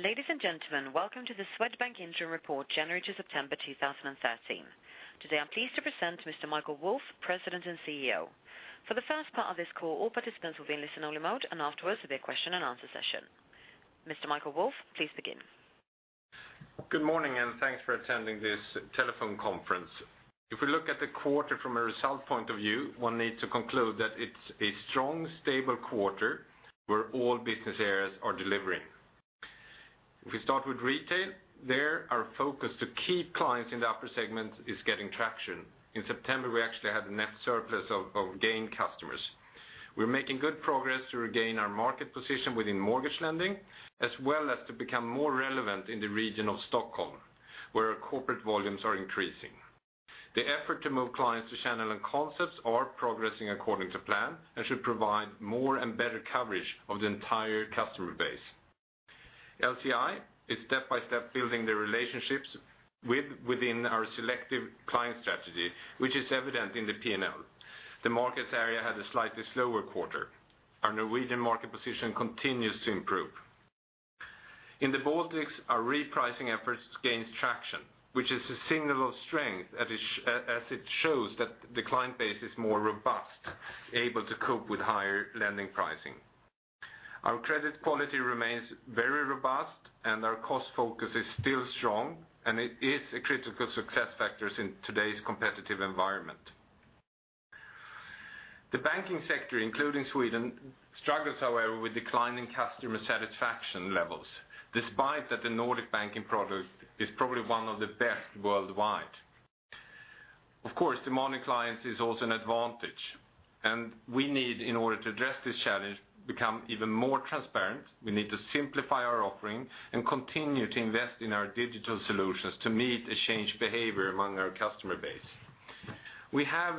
Ladies and gentlemen, welcome to the Swedbank Interim Report, January to September 2013. Today, I'm pleased to present Mr. Michael Wolf, President and CEO. For the first part of this call, all participants will be in listen-only mode, and afterwards, there'll be a question and answer session. Mr. Michael Wolf, please begin. Good morning, and thanks for attending this telephone conference. If we look at the quarter from a result point of view, one needs to conclude that it's a strong, stable quarter where all business areas are delivering. If we start with retail, there, our focus to keep clients in the upper segment is getting traction. In September, we actually had a net surplus of gained customers. We're making good progress to regain our market position within mortgage lending, as well as to become more relevant in the region of Stockholm, where our corporate volumes are increasing. The effort to move clients to channel and concepts are progressing according to plan and should provide more and better coverage of the entire customer base. LC&I is step by step building the relationships within our selective client strategy, which is evident in the P&L. The markets area had a slightly slower quarter. Our Norwegian market position continues to improve. In the Baltics, our repricing efforts gains traction, which is a signal of strength as it shows that the client base is more robust, able to cope with higher lending pricing. Our credit quality remains very robust and our cost focus is still strong, and it is a critical success factors in today's competitive environment. The banking sector, including Sweden, struggles, however, with declining customer satisfaction levels, despite that the Nordic banking product is probably one of the best worldwide. Of course, demanding clients is also an advantage, and we need, in order to address this challenge, become even more transparent. We need to simplify our offering and continue to invest in our digital solutions to meet a changed behavior among our customer base. We have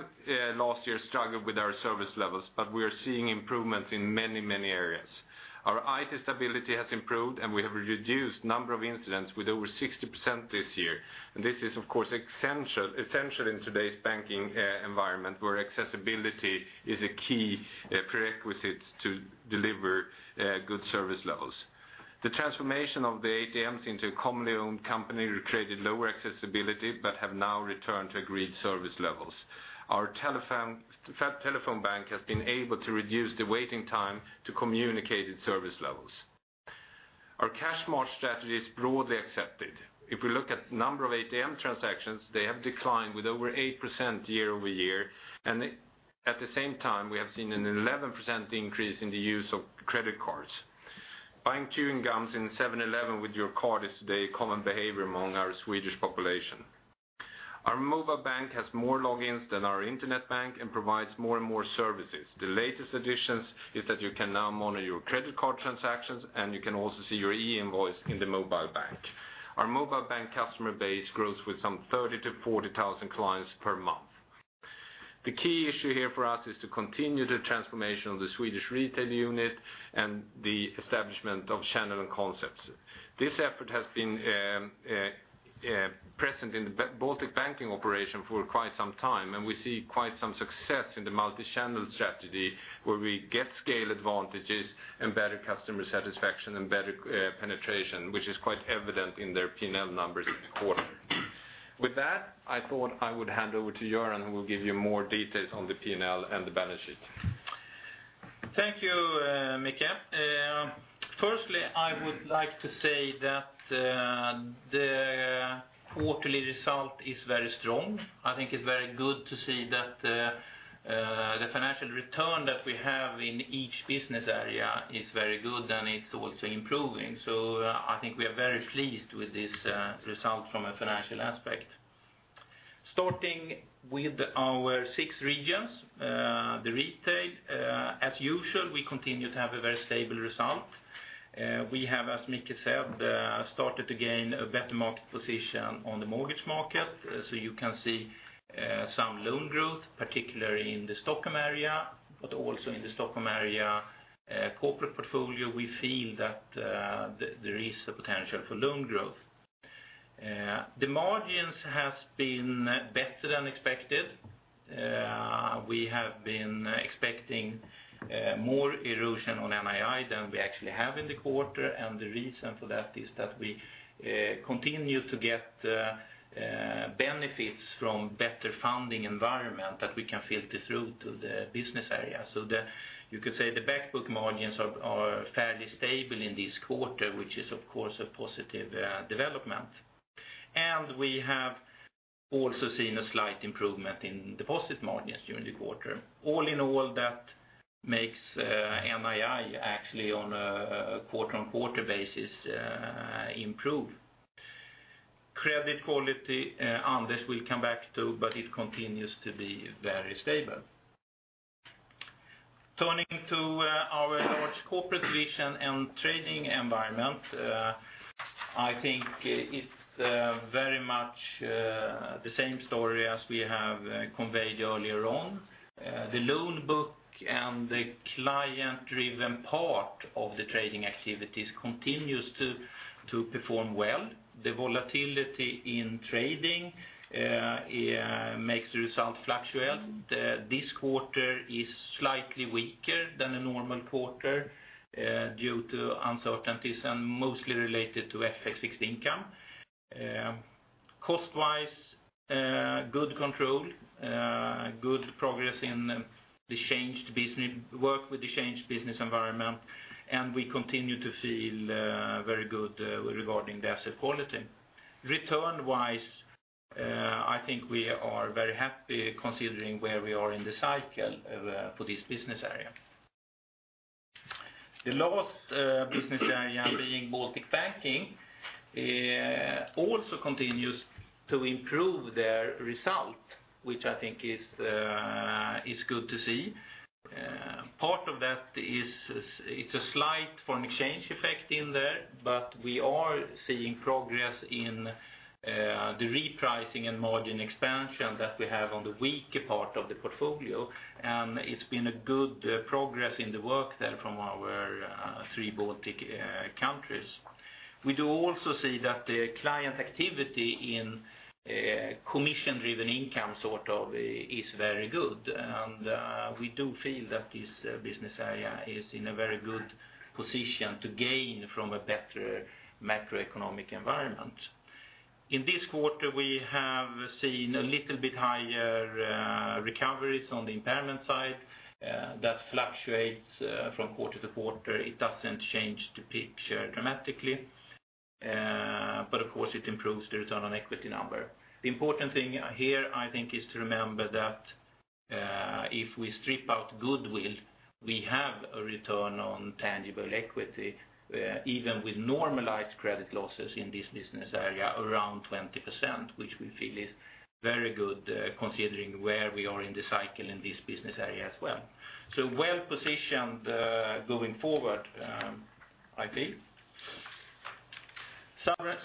last year struggled with our service levels, but we are seeing improvements in many, many areas. Our IT stability has improved, and we have reduced number of incidents with over 60% this year. This is, of course, essential, essential in today's banking environment, where accessibility is a key prerequisite to deliver good service levels. The transformation of the ATMs into a commonly owned company created lower accessibility, but have now returned to agreed service levels. Our telephone bank has been able to reduce the waiting time to communicated service levels. Our cash margin strategy is broadly accepted. If we look at number of ATM transactions, they have declined with over 8% year-over-year, and at the same time, we have seen an 11% increase in the use of credit cards. Buying chewing gums in 7-Eleven with your card is today a common behavior among our Swedish population. Our mobile bank has more logins than our internet bank and provides more and more services. The latest additions is that you can now monitor your credit card transactions, and you can also see your e-invoice in the mobile bank. Our mobile bank customer base grows with some 30,000-40,000 clients per month. The key issue here for us is to continue the transformation of the Swedish retail unit and the establishment of channel and concepts. This effort has been present in the Baltic banking operation for quite some time, and we see quite some success in the multi-channel strategy, where we get scale advantages and better customer satisfaction and better penetration, which is quite evident in their P&L numbers this quarter. With that, I thought I would hand over to Göran, who will give you more details on the P&L and the balance sheet. Thank you, Michael. Firstly, I would like to say that the quarterly result is very strong. I think it's very good to see that the financial return that we have in each business area is very good, and it's also improving. So I think we are very pleased with this result from a financial aspect. Starting with our six regions, the retail, as usual, we continue to have a very stable result. We have, as Michael said, started to gain a better market position on the mortgage market, so you can see some loan growth, particularly in the Stockholm area, but also in the Stockholm area, corporate portfolio, we feel that there is a potential for loan growth. The margins has been better than expected. We have been expecting more erosion on NII than we actually have in the quarter, and the reason for that is that we continue to get benefits from better funding environment that we can filter through to the business area. So the... You could say the back book margins are fairly stable in this quarter, which is, of course, a positive development. And we have also seen a slight improvement in deposit margins during the quarter. All in all, that makes NII actually on a quarter-on-quarter basis improve. Credit quality, Anders will come back to, but it continues to be very stable. Turning to our large corporate division and trading environment, I think it's very much the same story as we have conveyed earlier on. The loan book and the client-driven part of the trading activities continues to perform well. The volatility in trading makes the result fluctuate. This quarter is slightly weaker than a normal quarter due to uncertainties and mostly related to FX fixed income. Cost-wise, good control, good progress in the changed business, work with the changed business environment, and we continue to feel very good regarding the asset quality. Return-wise, I think we are very happy considering where we are in the cycle for this business area. The last business area being Baltic Banking also continues to improve their result, which I think is good to see. Part of that is, it's a slight foreign exchange effect in there, but we are seeing progress in the repricing and margin expansion that we have on the weaker part of the portfolio, and it's been a good progress in the work there from our three Baltic countries. We do also see that the client activity in commission-driven income sort of is very good, and we do feel that this business area is in a very good position to gain from a better macroeconomic environment. In this quarter, we have seen a little bit higher recoveries on the impairment side that fluctuates from quarter to quarter. It doesn't change the picture dramatically, but of course it improves the return on equity number. The important thing here, I think, is to remember that, if we strip out goodwill, we have a return on tangible equity, even with normalized credit losses in this business area, around 20%, which we feel is very good, considering where we are in the cycle in this business area as well. So well-positioned, going forward, I think.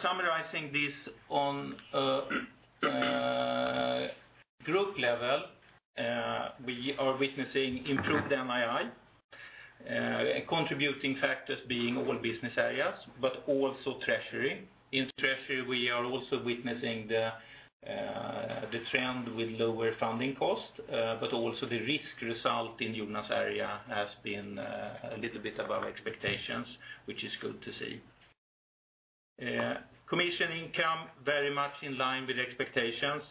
Summarizing this on a group level, we are witnessing improved NII, contributing factors being all business areas, but also treasury. In treasury, we are also witnessing the trend with lower funding costs, but also the risk result in Jonas' area has been a little bit above expectations, which is good to see. Commission income very much in line with expectations.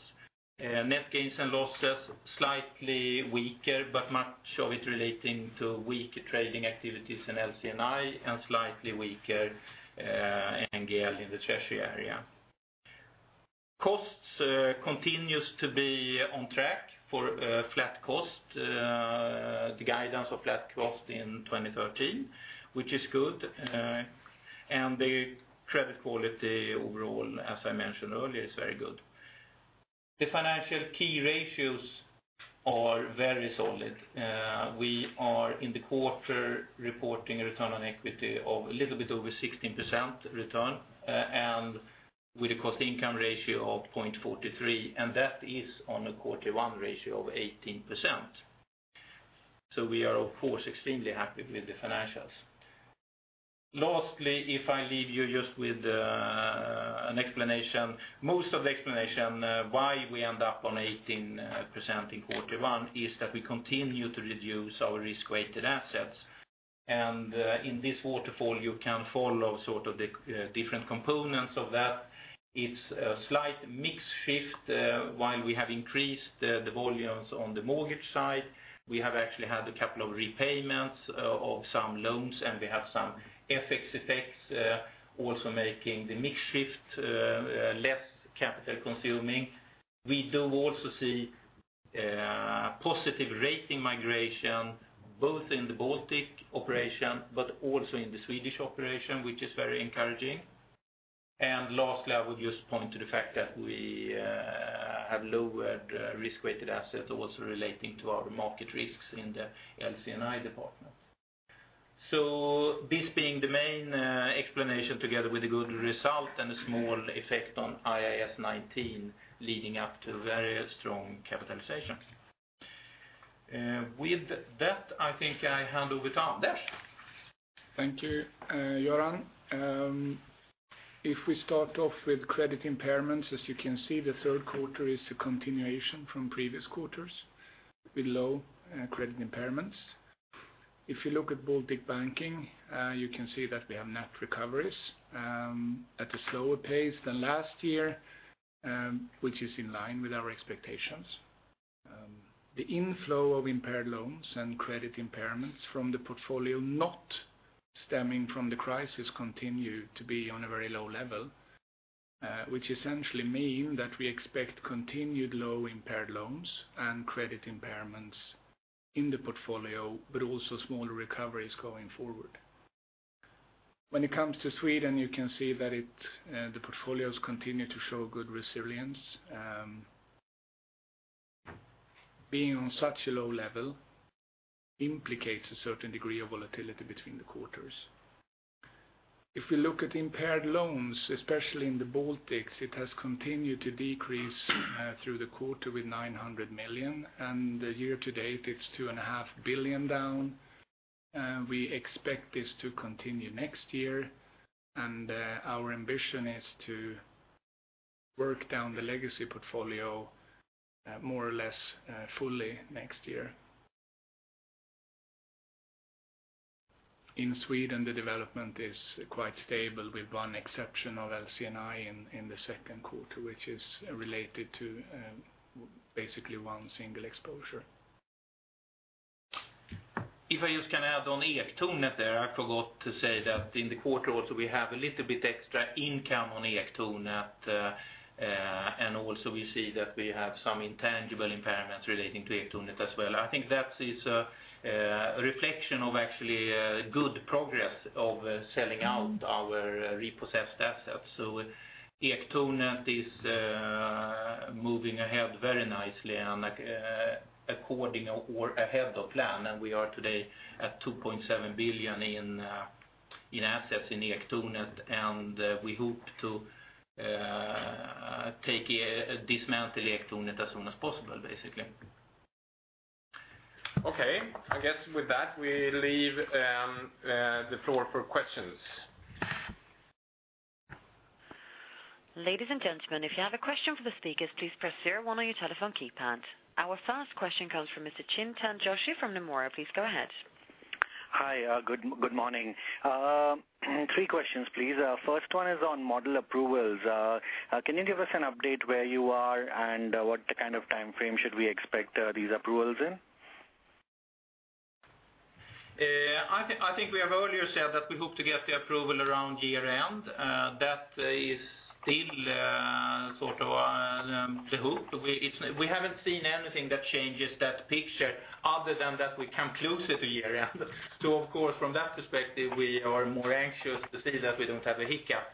Net gains and losses, slightly weaker, but much of it relating to weaker trading activities in LCNI and slightly weaker, NGL in the treasury area. Costs continues to be on track for a flat cost, the guidance of flat cost in 2013, which is good, and the credit quality overall, as I mentioned earlier, is very good. The financial key ratios are very solid. We are in the quarter reporting return on equity of a little bit over 16% return, and with a cost income ratio of 0.43, and that is on a quarter one ratio of 18%. So we are of course extremely happy with the financials. Lastly, if I leave you just with an explanation, most of the explanation why we end up on 18% in quarter one, is that we continue to reduce our risk-weighted assets. And in this waterfall, you can follow sort of the different components of that. It's a slight mix shift. While we have increased the volumes on the mortgage side, we have actually had a couple of repayments of some loans, and we have some FX effects also making the mix shift less capital consuming. We do also see positive rating migration, both in the Baltic operation, but also in the Swedish operation, which is very encouraging. And lastly, I would just point to the fact that we have lowered risk-weighted assets also relating to our market risks in the LCNI department. So this being the main explanation together with a good result and a small effect on IAS 19, leading up to very strong capitalization. With that, I think I hand over to Anders. Thank you, Göran. If we start off with credit impairments, as you can see, the third quarter is a continuation from previous quarters with low credit impairments. If you look at Baltic Banking, you can see that we have net recoveries at a slower pace than last year, which is in line with our expectations. The inflow of impaired loans and credit impairments from the portfolio not stemming from the crisis continue to be on a very low level, which essentially mean that we expect continued low impaired loans and credit impairments in the portfolio, but also smaller recoveries going forward. When it comes to Sweden, you can see that it, the portfolios continue to show good resilience. Being on such a low level implicates a certain degree of volatility between the quarters. If we look at impaired loans, especially in the Baltics, it has continued to decrease through the quarter with 900 million, and the year to date, it's 2.5 billion down. We expect this to continue next year, and our ambition is to... work down the legacy portfolio, more or less, fully next year. In Sweden, the development is quite stable, with one exception of LCNI in the second quarter, which is related to, basically one single exposure. If I just can add on the Ektornet there, I forgot to say that in the quarter also, we have a little bit extra income on Ektornet, and also we see that we have some intangible impairments relating to Ektornet as well. I think that is a reflection of actually a good progress of selling out our repossessed assets. So Ektornet is moving ahead very nicely and according or ahead of plan, and we are today at 2.7 billion in assets in Ektornet, and we hope to dismantle Ektornet as soon as possible, basically. Okay, I guess with that, we leave the floor for questions. Ladies and gentlemen, if you have a question for the speakers, please press zero one on your telephone keypad. Our first question comes from Mr. Chintan Joshi from Nomura. Please go ahead. Hi, good morning. Three questions, please. First one is on model approvals. Can you give us an update where you are, and what kind of time frame should we expect these approvals in? I think, I think we have earlier said that we hope to get the approval around year-end. That is still sort of the hope. We, it's, we haven't seen anything that changes that picture other than that we come closer to year-end. So of course, from that perspective, we are more anxious to see that we don't have a hiccup.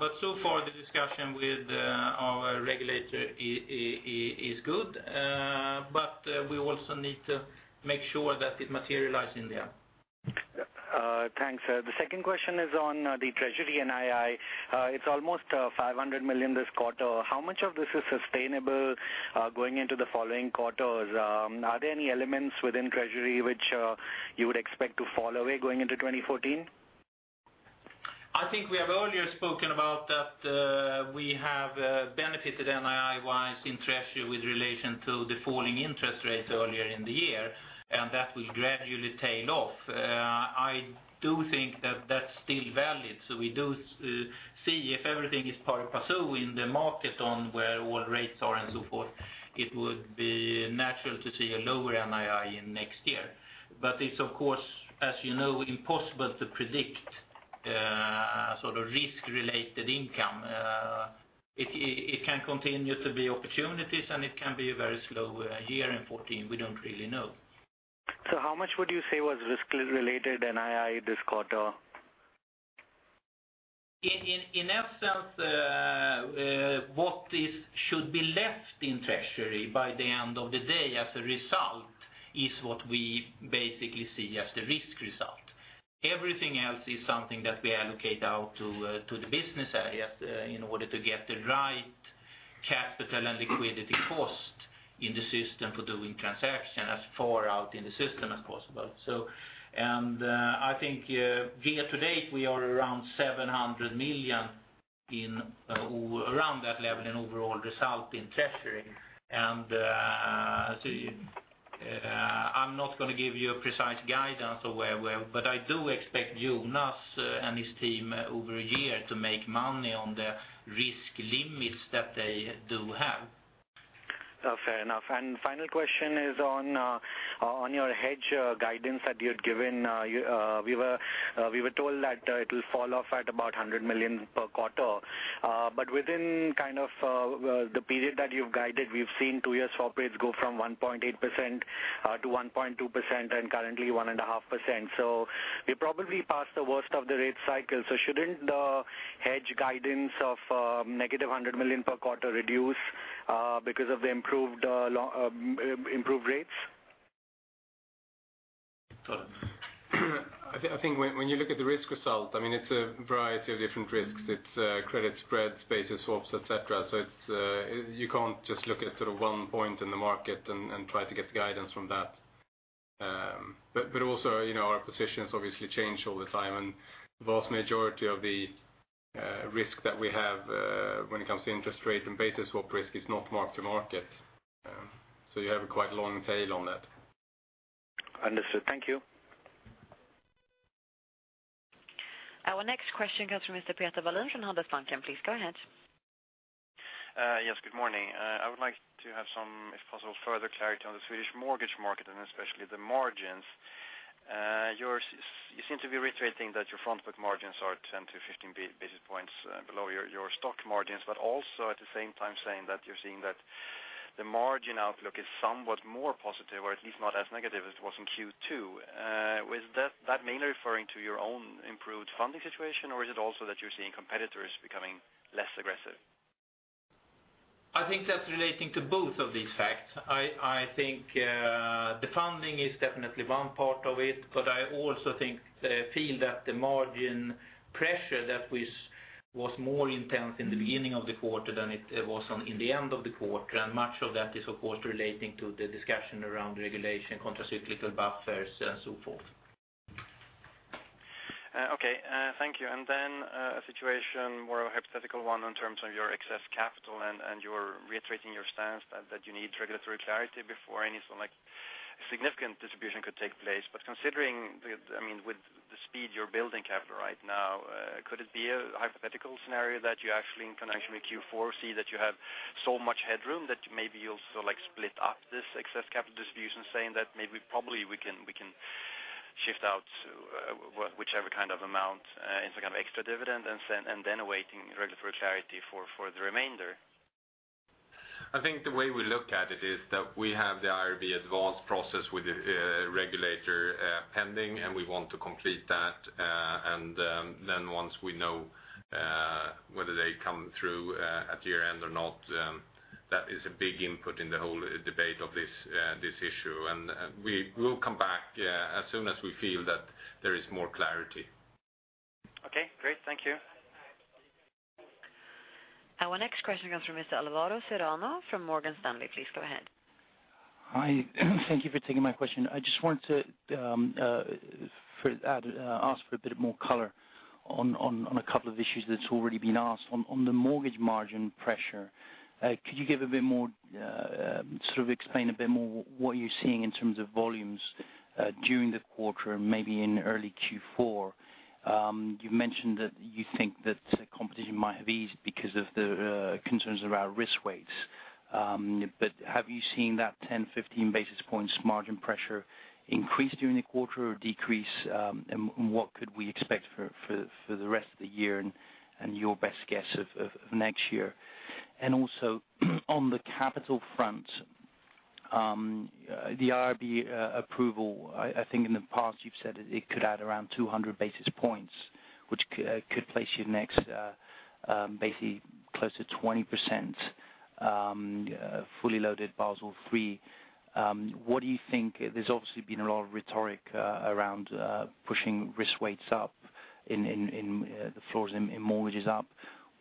But so far, the discussion with our regulator is good, but we also need to make sure that it materializes in the end. Thanks. The second question is on the treasury NII. It's almost 500 million this quarter. How much of this is sustainable going into the following quarters? Are there any elements within treasury which you would expect to fall away going into 2014? I think we have earlier spoken about that, we have benefited NII-wise in treasury with relation to the falling interest rates earlier in the year, and that will gradually tail off. I do think that that's still valid, so we do see if everything is pari passu in the market on where all rates are and so forth, it would be natural to see a lower NII in next year. But it's of course, as you know, impossible to predict, sort of risk-related income. It can continue to be opportunities, and it can be a very slow year in 2014. We don't really know. How much would you say was risk-related NII this quarter? In essence, what should be left in treasury by the end of the day as a result is what we basically see as the risk result. Everything else is something that we allocate out to the business areas in order to get the right capital and liquidity cost in the system for doing transactions as far out in the system as possible. I think year to date, we are around 700 million in around that level in overall result in treasury. I'm not going to give you a precise guidance of where we are, but I do expect Jonas and his team over a year to make money on the risk limits that they do have. Fair enough. And final question is on your hedge guidance that you had given. We were told that it will fall off at about 100 million per quarter. But within kind of the period that you've guided, we've seen two-year swap rates go from 1.8% to 1.2%, and currently 1.5%. So we probably passed the worst of the rate cycle, so shouldn't the hedge guidance of negative 100 million per quarter reduce because of the improved rates? I think when you look at the risk result, I mean, it's a variety of different risks. It's credit spreads, basis swaps, et cetera. So it's you can't just look at sort of one point in the market and try to get guidance from that. But also, you know, our positions obviously change all the time, and vast majority of the risk that we have when it comes to interest rate and basis swap risk is not mark to market. So you have a quite long tail on that. Understood. Thank you. Our next question comes from Mr. Peter Wallin from Handelsbanken. Please go ahead. Yes, good morning. I would like to have some, if possible, further clarity on the Swedish mortgage market, and especially the margins. You seem to be reiterating that your front book margins are 10-15 basis points below your stock margins, but also, at the same time, saying that you're seeing that the margin outlook is somewhat more positive, or at least not as negative as it was in Q2. Was that mainly referring to your own improved funding situation, or is it also that you're seeing competitors becoming less aggressive? I think that's relating to both of these facts. I, I think, the funding is definitely one part of it, but I also think, feel that the margin pressure that was, was more intense in the beginning of the quarter than it, it was on in the end of the quarter, and much of that is, of course, relating to the discussion around regulation, countercyclical buffers and so forth. Okay, thank you. And then, a situation, more a hypothetical one, in terms of your excess capital and, and you're reiterating your stance that, that you need regulatory clarity before any sort of, like, significant distribution could take place. Considering the, I mean, with the speed you're building capital right now, could it be a hypothetical scenario that you actually in connection with Q4 see that you have so much headroom that maybe you'll sort of like split up this excess capital distribution, saying that maybe probably we can, we can shift out, whichever kind of amount, into kind of extra dividend, and then, and then awaiting regulatory clarity for, for the remainder? I think the way we look at it is that we have the IRB Advanced process with the regulator pending, and we want to complete that. And then once we know whether they come through at year-end or not, that is a big input in the whole debate of this issue. And we will come back as soon as we feel that there is more clarity. Okay, great. Thank you. Our next question comes from Mr. Alvaro Serrano from Morgan Stanley. Please go ahead. Hi. Thank you for taking my question. I just wanted to ask for a bit more color on a couple of issues that's already been asked. On the mortgage margin pressure, could you give a bit more sort of explain a bit more what you're seeing in terms of volumes during the quarter and maybe in early Q4? You've mentioned that you think that competition might have eased because of the concerns around risk weights. But have you seen that 10-15 basis points margin pressure increase during the quarter or decrease? And what could we expect for the rest of the year and your best guess of next year? On the capital front, the IRB approval, I think in the past you've said it could add around 200 basis points, which could place you next, basically close to 20%, fully loaded Basel III. What do you think? There's obviously been a lot of rhetoric around pushing risk weights up in the floors in mortgages up.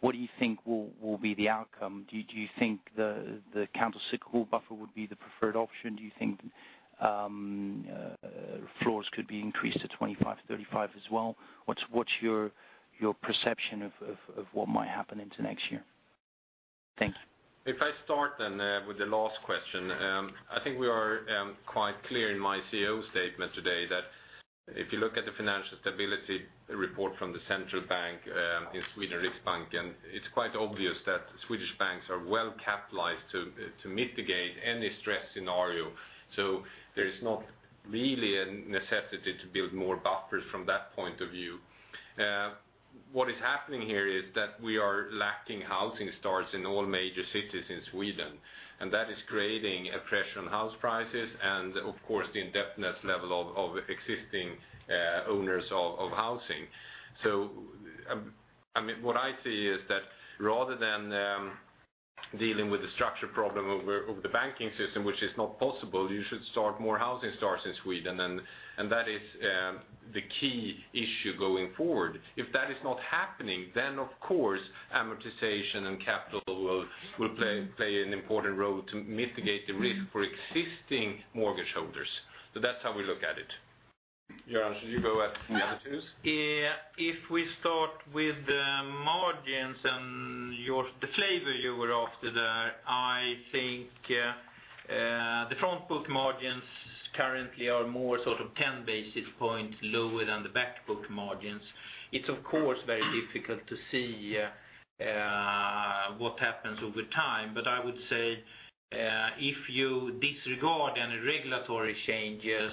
What do you think will be the outcome? Do you think the countercyclical buffer would be the preferred option? Do you think floors could be increased to 25-35 as well? What's your perception of what might happen into next year? Thank you. If I start then with the last question, I think we are quite clear in my CEO statement today that if you look at the financial stability report from the central bank in Sweden, Riksbanken, it's quite obvious that Swedish banks are well capitalized to to mitigate any stress scenario. So there is not really a necessity to build more buffers from that point of view. What is happening here is that we are lacking housing starts in all major cities in Sweden, and that is creating a pressure on house prices and, of course, the indebtedness level of existing owners of housing. So, I mean, what I see is that rather than dealing with the structure problem of the banking system, which is not possible, you should start more housing starts in Sweden, and that is the key issue going forward. If that is not happening, then, of course, amortization and capital will play an important role to mitigate the risk for existing mortgage holders. So that's how we look at it. Göran, should you go at the other two? Yeah. If we start with the margins and your... The flavor you were after there, I think, the front book margins currently are more sort of 10 basis points lower than the back book margins. It's, of course, very difficult to see what happens over time, but I would say, if you disregard any regulatory changes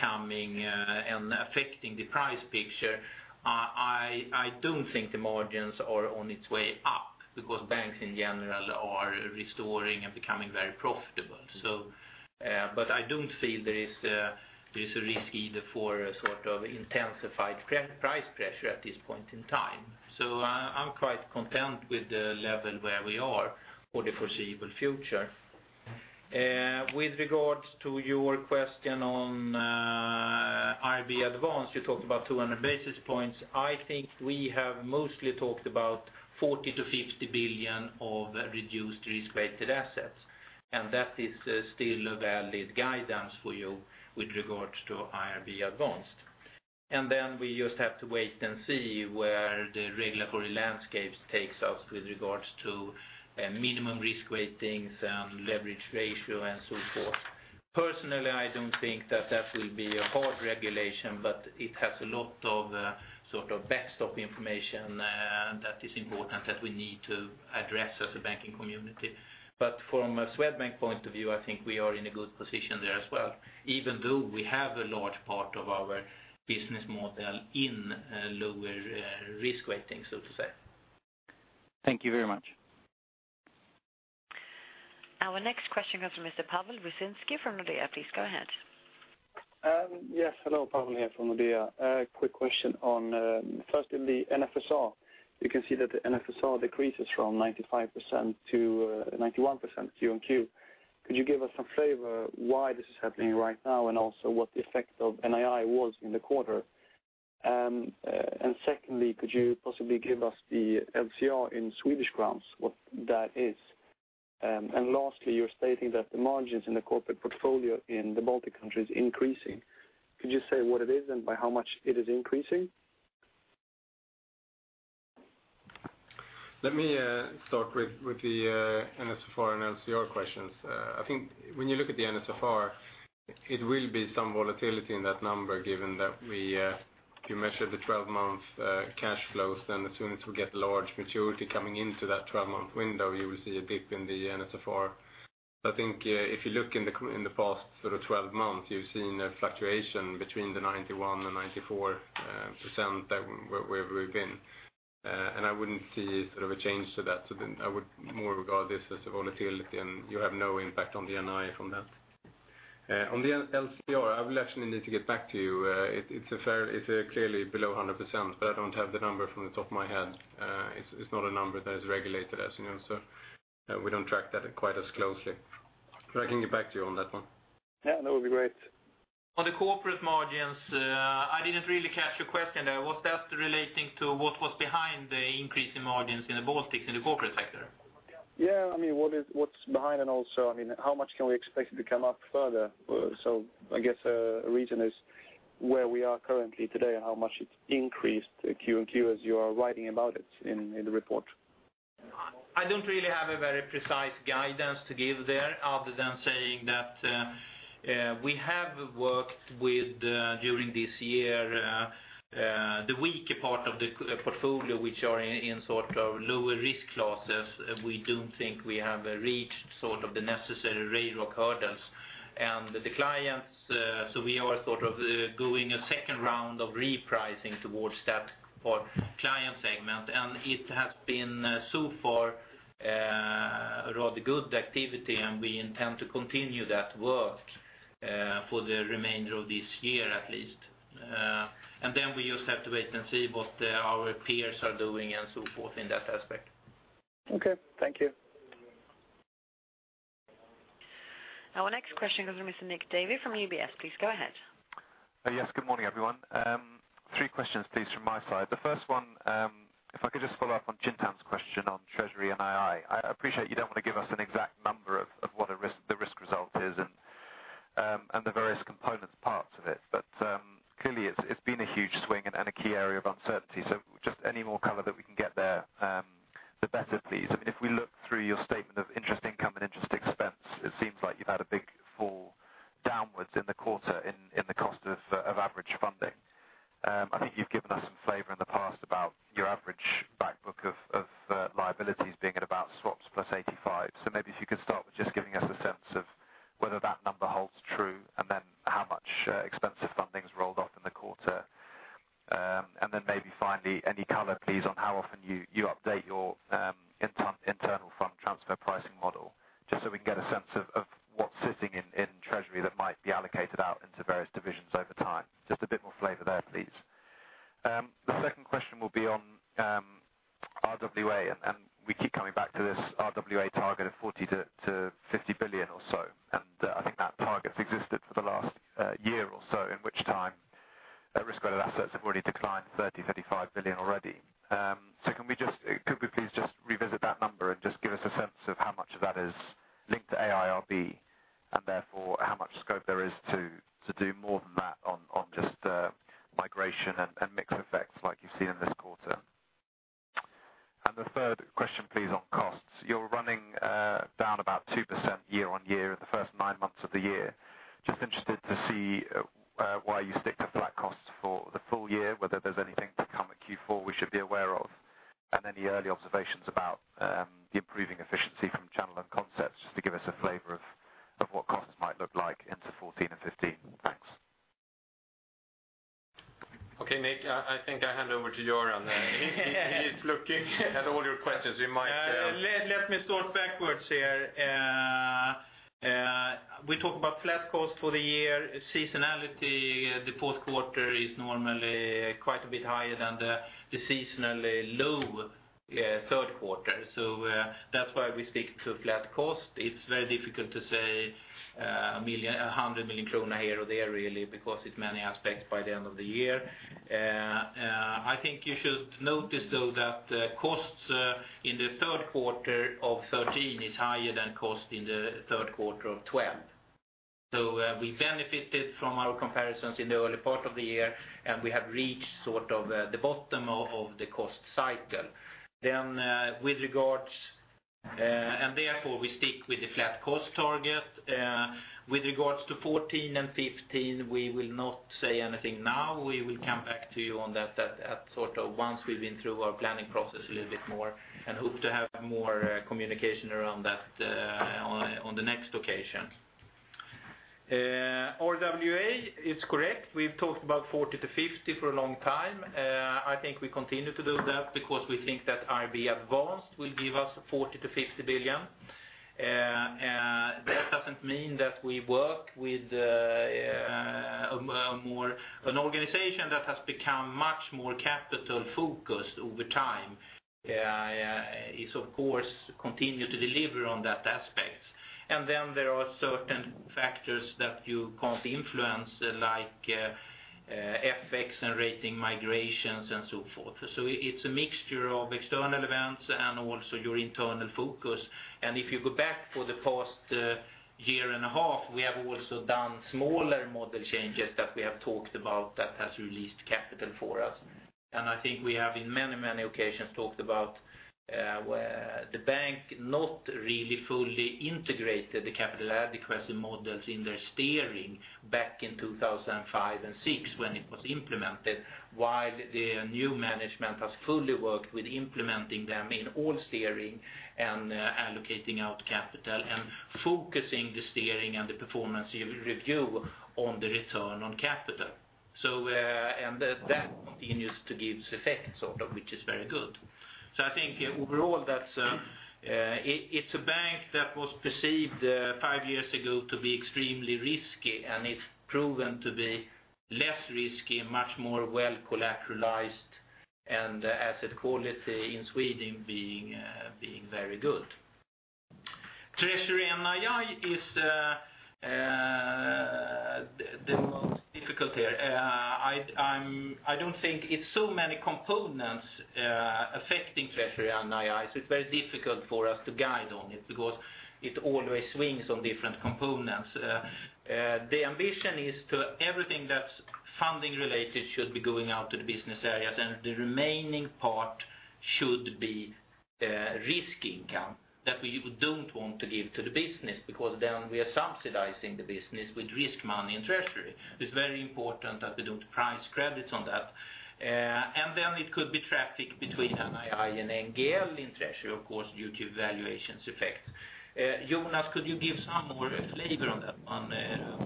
coming and affecting the price picture, I don't think the margins are on its way up because banks in general are restoring and becoming very profitable. So, but I don't feel there is, there's a risk either for a sort of intensified price pressure at this point in time. So I, I'm quite content with the level where we are for the foreseeable future. With regards to your question on IRB Advanced, you talked about 200 basis points. I think we have mostly talked about 40 billion-50 billion of reduced risk-weighted assets, and that is still a valid guidance for you with regards to IRB advanced. And then we just have to wait and see where the regulatory landscapes takes us with regards to minimum risk weightings and leverage ratio and so forth. Personally, I don't think that that will be a hard regulation, but it has a lot of sort of backstop information that is important that we need to address as a banking community. But from a Swedbank point of view, I think we are in a good position there as well, even though we have a large part of our business model in lower risk weighting, so to say. Thank you very much. Our next question comes from Mr. Paweł Wyszyński from Nordea. Please go ahead. Yes. Hello, Paweł here from Nordea. A quick question on, first, in the NSFR. You can see that the NSFR decreases from 95% to 91% Q-on-Q. Could you give us some flavor why this is happening right now, and also what the effect of NII was in the quarter? And secondly, could you possibly give us the LCR in Swedish crowns, what that is? And lastly, you're stating that the margins in the corporate portfolio in the Baltic countries increasing. Could you say what it is and by how much it is increasing? Let me start with the NSFR and LCR questions. I think when you look at the NSFR, it will be some volatility in that number, given that you measure the 12 months cash flows, then as soon as we get large maturity coming into that 12-month window, you will see a dip in the NSFR. I think, if you look in the, in the past sort of 12 months, you've seen a fluctuation between the 91%-94% that where, where we've been. And I wouldn't see sort of a change to that. So then I would more regard this as a volatility, and you have no impact on the NII from that. On the LCR, I will actually need to get back to you. It's fair. It's clearly below 100%, but I don't have the number from the top of my head. It's not a number that is regulated, as you know, so we don't track that quite as closely. But I can get back to you on that one. Yeah, that would be great. On the corporate margins, I didn't really catch your question there. Was that relating to what was behind the increase in margins in the Baltics, in the corporate sector? Yeah. I mean, what's behind, and also, I mean, how much can we expect it to come up further? So I guess, the reason is where we are currently today, how much it's increased the Q on Q, as you are writing about it in the report. I don't really have a very precise guidance to give there, other than saying that, we have worked with, during this year, the weaker part of the portfolio, which are in sort of lower risk classes. We do think we have reached sort of the necessary railroad hurdles. And the clients, so we are sort of going a second round of repricing towards that for client segment, and it has been so far, rather good activity, and we intend to continue that work, for the remainder of this year at least. And then we just have to wait and see what, our peers are doing and so forth in that aspect. Okay, thank you. Our next question comes from Mr. Nick Davey from UBS. Please go ahead. Yes, good morning, everyone. Three questions, please, from my side. The first one, if I could just follow up on Chintan's question on treasury NII. I appreciate you don't want to give us an exact number of what the risk result is and the various components, parts of it. But clearly, it's been a huge swing and a key area of uncertainty. So just any more color that we can get there, the better, please. If we look through your statement of interest income and interest expense, it seems like you've had a big fall downwards in the quarter in the cost of average funding. 1 million, 100 million krona here or there, really, because it's many aspects by the end of the year. I think you should notice, though, that costs in the third quarter of 2013 is higher than cost in the third quarter of 2012. So, we benefited from our comparisons in the early part of the year, and we have reached sort of the bottom of the cost cycle. Then, with regards... And therefore, we stick with the flat cost target. With regards to 2014 and 2015, we will not say anything now. We will come back to you on that, at sort of once we've been through our planning process a little bit more, and hope to have more communication around that on the next occasion. RWA, it's correct. We've talked about 40 billion-50 billion for a long time. I think we continue to do that because we think that IRB Advanced will give us 40 billion-50 billion. That doesn't mean that we work with a more, an organization that has become much more capital-focused over time. It's, of course, continue to deliver on that aspect. There are certain factors that you can't influence, like FX and rating migrations and so forth. So it's a mixture of external events and also your internal focus. And if you go back for the past year and a half, we have also done smaller model changes that we have talked about that has released capital for us. And I think we have, in many, many occasions, talked about where the bank not really fully integrated the capital adequacy models in their steering back in 2005 and 2006 when it was implemented, while the new management has fully worked with implementing them in all steering and allocating out capital and focusing the steering and the performance review on the return on capital. So, and that continues to give effect, sort of, which is very good. So I think overall, that's, it's a bank that was perceived five years ago to be extremely risky, and it's proven to be less risky, much more well-collateralized, and asset quality in Sweden being very good. Treasury NII is the most difficult here. I don't think it's so many components affecting treasury on NII, so it's very difficult for us to guide on it because it always swings on different components. The ambition is to everything that's funding related should be going out to the business areas, and the remaining part should be risk income that we don't want to give to the business, because then we are subsidizing the business with risk money in treasury. It's very important that we don't price credits on that. And then it could be traffic between NII and NGL in treasury, of course, due to valuations effects. Jonas, could you give some more flavor on that, on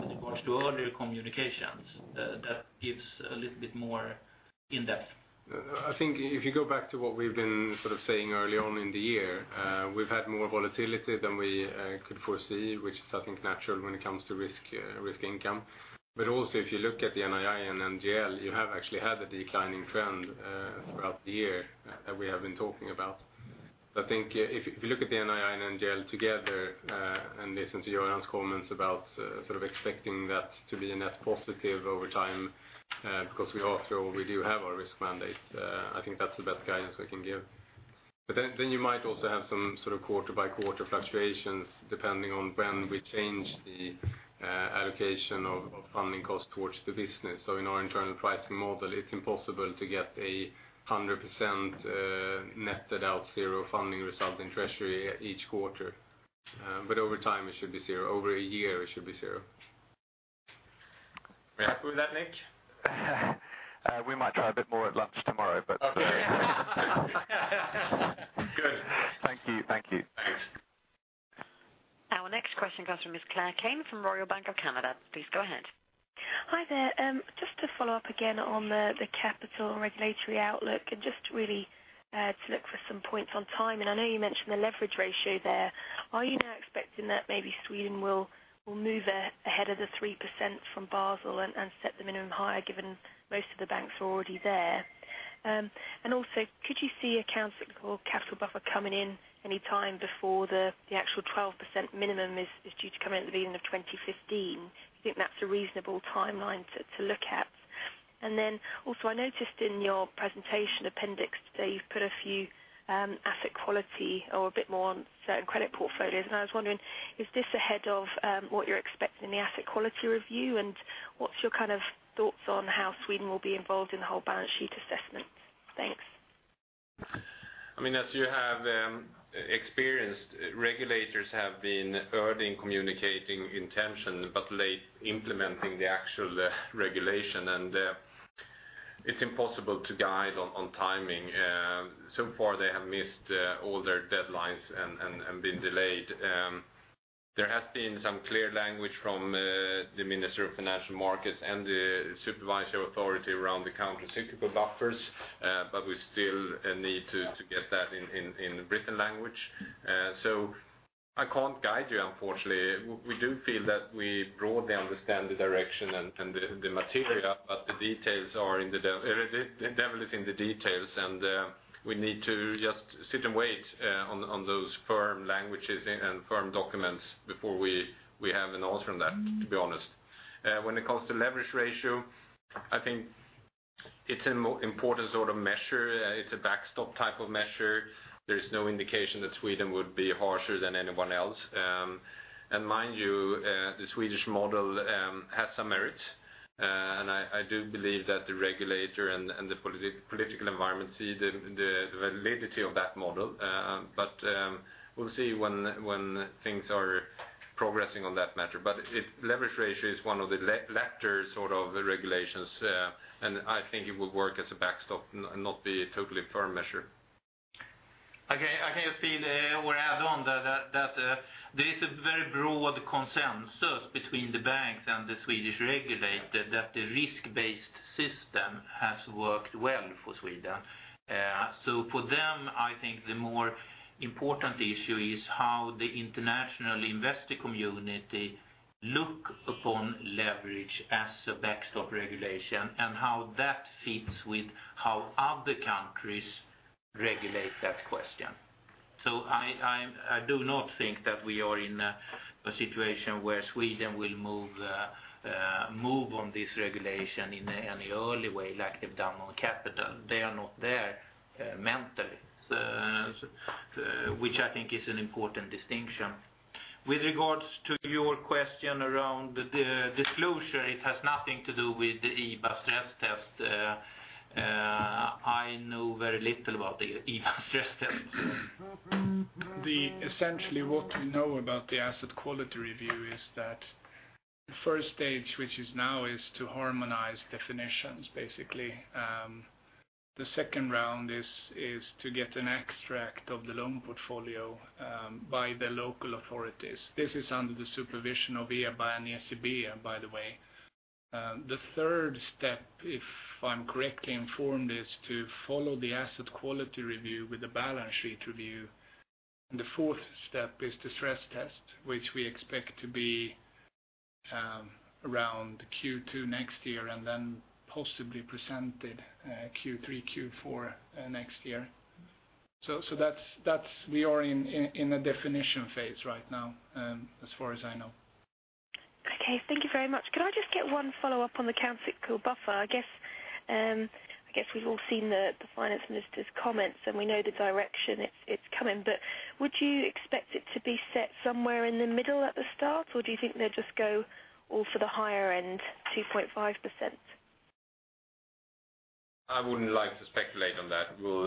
regards to earlier communications, that gives a little bit more in-depth? I think if you go back to what we've been sort of saying early on in the year, we've had more volatility than we could foresee, which is, I think, natural when it comes to risk, risk income. But also, if you look at the NII and NGL, you have actually had a declining trend throughout the year that we have been talking about. I think if you look at the NII and NGL together, and listen to Goran's comments about, sort of expecting that to be a net positive over time, because we also, we do have our risk mandate, I think that's the best guidance we can give. But then, then you might also have some sort of quarter by quarter fluctuations, depending on when we change the allocation of funding costs towards the business. In our internal pricing model, it's impossible to get 100%, netted out zero funding result in treasury each quarter. Over time, it should be zero. Over a year, it should be zero. We happy with that, Nick? We might try a bit more at lunch tomorrow, but- Good. Thank you. Thank you. Thanks. Our next question comes from Ms. Claire Kane from Royal Bank of Canada. Please go ahead. Hi there. Just to follow up again on the capital regulatory outlook, and just really to look for some points on time, and I know you mentioned the leverage ratio there. Are you now expecting that maybe Sweden will move ahead of the 3% from Basel and set the minimum higher, given most of the banks are already there? And also, could you see a counter cyclical capital buffer coming in any time before the actual 12% minimum is due to come in at the beginning of 2015? Do you think that's a reasonable timeline to look at? And then also, I noticed in your presentation appendix today, you've put a few asset quality or a bit more on certain credit portfolios. I was wondering, is this ahead of what you're expecting in the asset quality review? What's your kind of thoughts on how Sweden will be involved in the whole balance sheet assessment? Thanks. I mean, as you have experienced, regulators have been early in communicating intention, but late implementing the actual regulation, and it's impossible to guide on timing. So far, they have missed all their deadlines and been delayed. There has been some clear language from the Minister of Financial Markets and the Supervisory Authority around the countercyclical buffers, but we still need to get that in written language. So I can't guide you, unfortunately. We do feel that we broadly understand the direction and the material, but the details are in the devil is in the details, and we need to just sit and wait on those firm languages and firm documents before we have an answer on that, to be honest. When it comes to leverage ratio, I think it's a more important sort of measure. It's a backstop type of measure. There is no indication that Sweden would be harsher than anyone else. And mind you, the Swedish model has some merits, and I do believe that the regulator and the political environment see the validity of that model. But we'll see when things are progressing on that matter. But leverage ratio is one of the latter sort of regulations, and I think it would work as a backstop, not be a totally firm measure. Okay. I can just feel or add on that, that there is a very broad consensus between the banks and the Swedish regulator, that the risk-based system has worked well for Sweden. So for them, I think the more important issue is how the international investor community look upon leverage as a backstop regulation, and how that fits with how other countries ... regulate that question. So I, I'm, I do not think that we are in a situation where Sweden will move on this regulation in any early way, like they've done on capital. They are not there mentally, which I think is an important distinction. With regards to your question around the disclosure, it has nothing to do with the EBA stress test. I know very little about the EBA stress test. Essentially, what we know about the asset quality review is that the first stage, which is now, is to harmonize definitions, basically. The second round is to get an extract of the loan portfolio by the local authorities. This is under the supervision of EBA and the ECB, by the way. The third step, if I'm correctly informed, is to follow the asset quality review with the balance sheet review. And the fourth step is the stress test, which we expect to be around Q2 next year, and then possibly presented Q3, Q4 next year. So that's. We are in a definition phase right now, as far as I know. Okay, thank you very much. Could I just get one follow-up on the countercyclical buffer? I guess, I guess we've all seen the finance minister's comments, and we know the direction it's coming. But would you expect it to be set somewhere in the middle at the start, or do you think they'll just go all for the higher end, 2.5%? I wouldn't like to speculate on that. We'll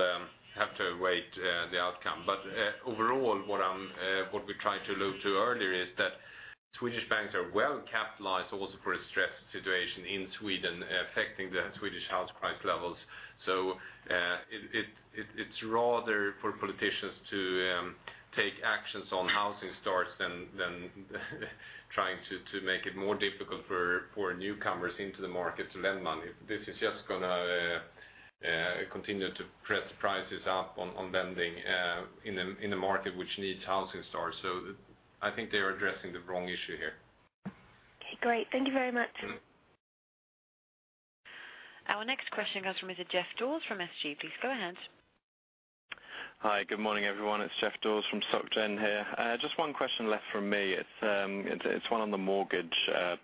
have to await the outcome. But overall, what we tried to allude to earlier is that Swedish banks are well capitalized also for a stress situation in Sweden affecting the Swedish house price levels. So it's rather for politicians to take actions on housing starts than trying to make it more difficult for newcomers into the market to lend money. This is just gonna continue to press prices up on lending in the market, which needs housing starts. So I think they are addressing the wrong issue here. Okay, great. Thank you very much. Our next question comes from Mr. Geoff Dawes from SG. Please go ahead. Hi, good morning, everyone. It's Geoff Dawes from Soc Gen here. Just one question left from me. It's one on the mortgage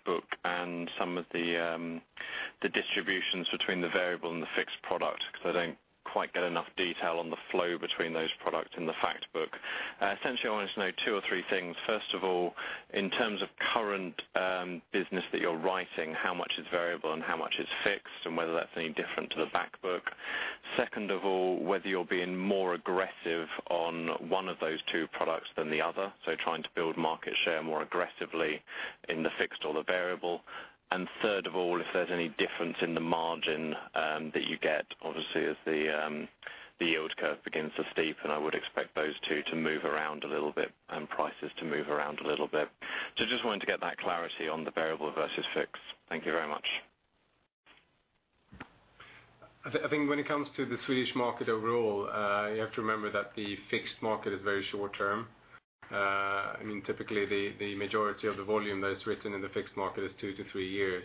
book and some of the distributions between the variable and the fixed product, because I don't quite get enough detail on the flow between those products in the fact book. Essentially, I wanted to know two or three things. First of all, in terms of current business that you're writing, how much is variable and how much is fixed, and whether that's any different to the back book? Second of all, whether you're being more aggressive on one of those two products than the other, so trying to build market share more aggressively in the fixed or the variable. Third of all, if there's any difference in the margin, that you get, obviously, as the yield curve begins to steepen, I would expect those two to move around a little bit and prices to move around a little bit. So just wanted to get that clarity on the variable versus fixed. Thank you very much. I think, I think when it comes to the Swedish market overall, you have to remember that the fixed market is very short term. I mean, typically the majority of the volume that is written in the fixed market is 2-3 years.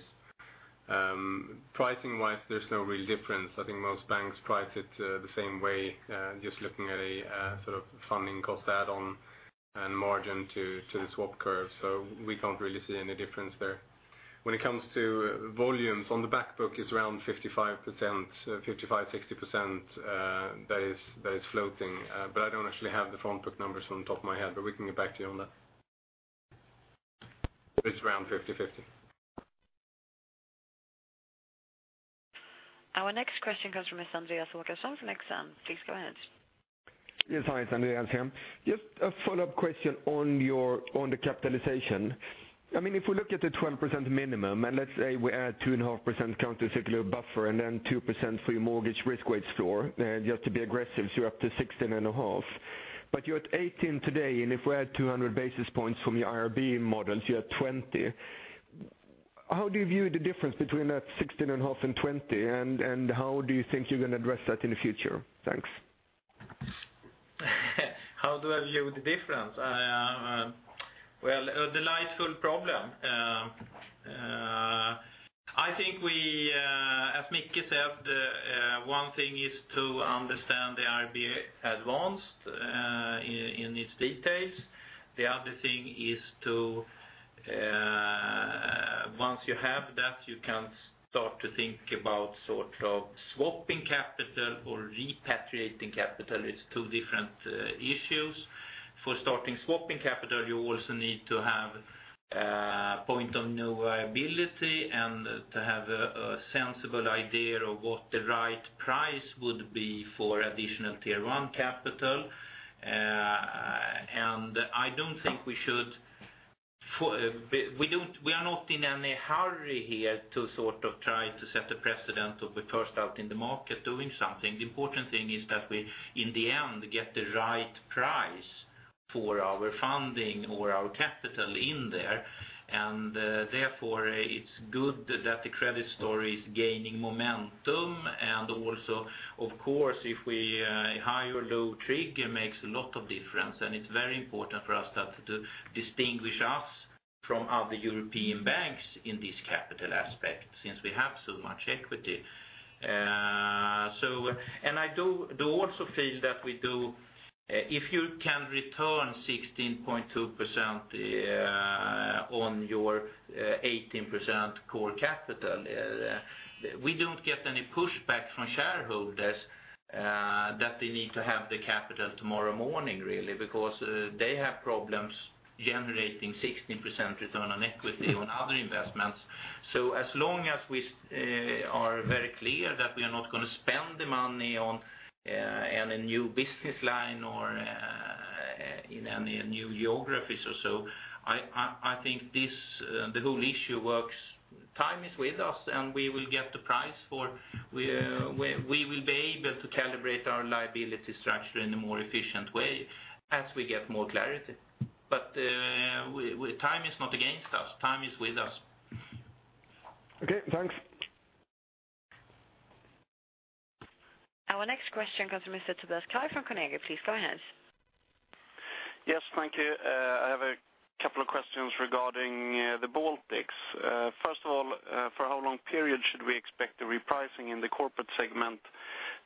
Pricing-wise, there's no real difference. I think most banks price it the same way, just looking at a sort of funding cost add-on and margin to the swap curve. So we can't really see any difference there. When it comes to volumes, on the back book, it's around 55%, 55-60%, that is floating. But I don't actually have the front book numbers on the top of my head, but we can get back to you on that. But it's around 50/50. Our next question comes from Mr. Andreas Håkansson from Exane. Please go ahead. Yes. Hi, Andreas here. Just a follow-up question on your, on the capitalization. I mean, if we look at the 12% minimum, and let's say we add 2.5% countercyclical buffer, and then 2% for your mortgage risk weight score, just to be aggressive, so you're up to 16.5. But you're at 18 today, and if we add 200 basis points from your IRB models, you're at 20. How do you view the difference between that 16.5 and 20, and, and how do you think you're going to address that in the future? Thanks. How do I view the difference? Well, a delightful problem. I think we, as Michael said, one thing is to understand the IRB advanced in its details. The other thing is to, once you have that, you can start to think about sort of swapping capital or repatriating capital. It's two different issues. For starting swapping capital, you also need to have a point of no liability and to have a sensible idea of what the right price would be for additional Tier One capital. And I don't think we should. We don't, we are not in any hurry here to sort of try to set a precedent of the first out in the market doing something. The important thing is that we, in the end, get the right price for our funding or our capital in there. Therefore, it's good that the credit story is gaining momentum. And also, of course, if we high or low trigger makes a lot of difference, and it's very important for us that to distinguish us from other European banks in this capital aspect, since we have so much equity. So, and I also feel that we do if you can return 16.2% on your 18% core capital, we don't get any pushback from shareholders that they need to have the capital tomorrow morning, really. Because they have problems generating 16% return on equity on other investments. So as long as we are very clear that we are not going to spend the money on any new business line or in any new geographies or so, I think this, the whole issue works. Time is with us, and we will be able to calibrate our liability structure in a more efficient way as we get more clarity. But, time is not against us, time is with us. Okay, thanks. Our next question comes from Mr. Tobias Kaj from Carnegie. Please go ahead. Yes, thank you. I have a couple of questions regarding the Baltics. First of all, for how long period should we expect the repricing in the corporate segment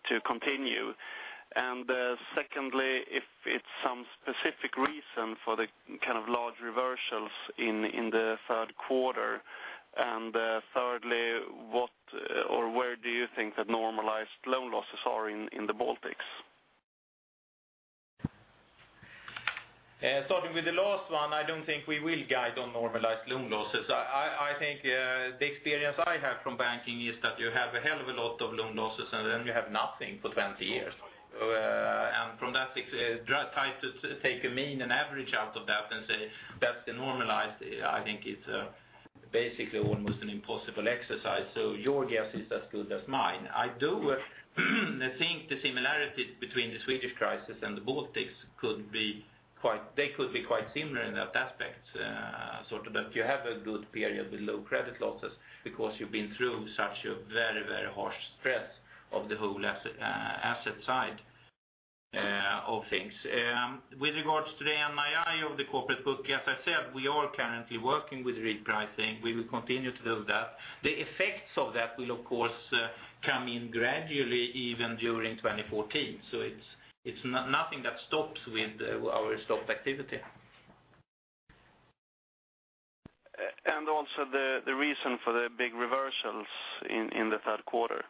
to continue? And secondly, if it's some specific reason for the kind of large reversals in the third quarter. And thirdly, what or where do you think that normalized loan losses are in the Baltics? Starting with the last one, I don't think we will guide on normalized loan losses. I think the experience I have from banking is that you have a hell of a lot of loan losses, and then you have nothing for 20 years. And from that perspective, try to take a mean and average out of that and say that's the normalized. I think it's basically almost an impossible exercise, so your guess is as good as mine. I do think the similarities between the Swedish crisis and the Baltics could be quite—they could be quite similar in that aspect. Sort of that you have a good period with low credit losses because you've been through such a very, very harsh stress of the whole asset, asset side, of things. With regards to the NII of the corporate book, as I said, we are currently working with repricing. We will continue to do that. The effects of that will, of course, come in gradually, even during 2014. So it's not nothing that stops with our stopped activity. And also the reason for the big reversals in the third quarter.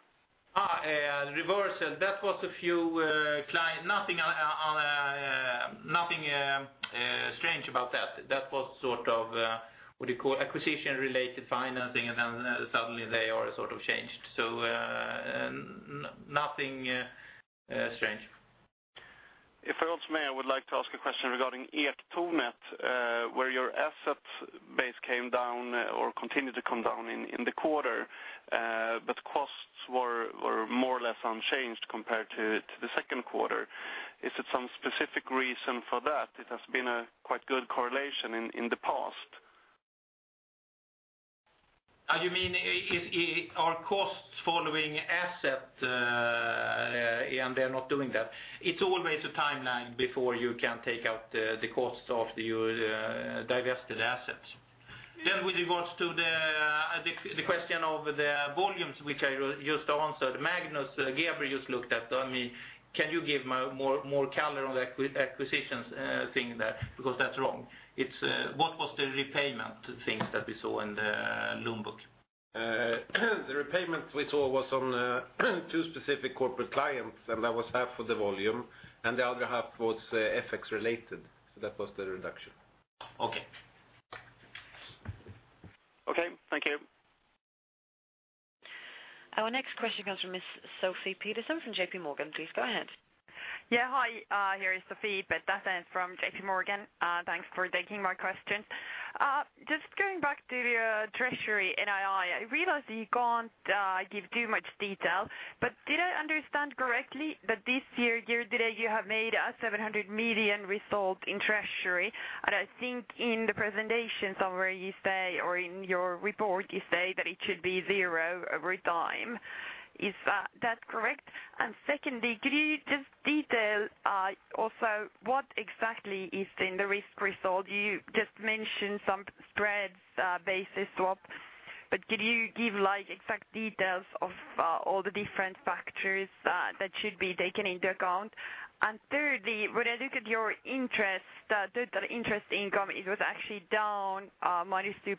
Reversal. That was a few client... Nothing on, on, nothing strange about that. That was sort of, what do you call, acquisition-related financing, and then suddenly they are sort of changed. So, nothing strange. If I also may, I would like to ask a question regarding Ektornet, where your asset base came down or continued to come down in the quarter, but costs were more or less unchanged compared to the second quarter. Is it some specific reason for that? It has been a quite good correlation in the past. You mean, are costs following asset, and they're not doing that? It's always a timeline before you can take out the costs of your divested assets. Then with regards to the question of the volumes, which I just answered, Magnus Gagner-Geeber just looked at me. Can you give me more color on the acquisitions thing there? Because that's wrong. It's what was the repayment things that we saw in the loan book? The repayment we saw was on two specific corporate clients, and that was half of the volume, and the other half was FX-related. So that was the reduction. Okay. Okay, thank you. Our next question comes from Miss Sofie Peterzens from JP Morgan. Please go ahead. Yeah, hi, here is Sofie Peterzens from JP Morgan. Thanks for taking my question. Just going back to your treasury NII, I realize that you can't give too much detail, but did I understand correctly that this year, year to date, you have made a 700 million result in treasury? And I think in the presentation somewhere you say, or in your report, you say that it should be zero over time. Is that correct? And secondly, could you just detail also what exactly is in the risk result? You just mentioned some spreads, basis swap, but could you give, like, exact details of all the different factors that should be taken into account? And thirdly, when I look at your interest, the interest income, it was actually down, minus 2%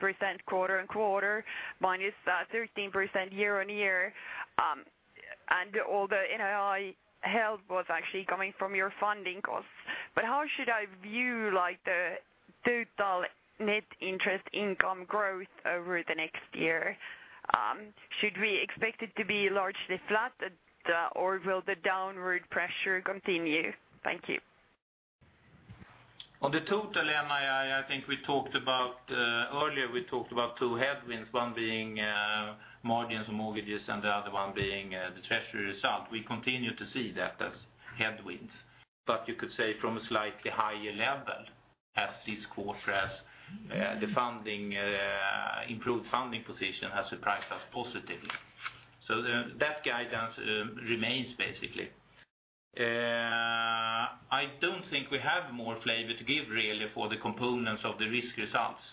quarter-on-quarter, minus, 13% year-on-year. And all the NII held was actually coming from your funding costs. But how should I view, like, the total net interest income growth over the next year? Should we expect it to be largely flat, or will the downward pressure continue? Thank you. On the total NII, I think we talked about earlier, we talked about two headwinds, one being margins and mortgages, and the other one being the treasury result. We continue to see that as headwinds, but you could say from a slightly higher level as this quarter, as the funding improved funding position has surprised us positively. So that guidance remains basically. I don't think we have more flavor to give really for the components of the risk results.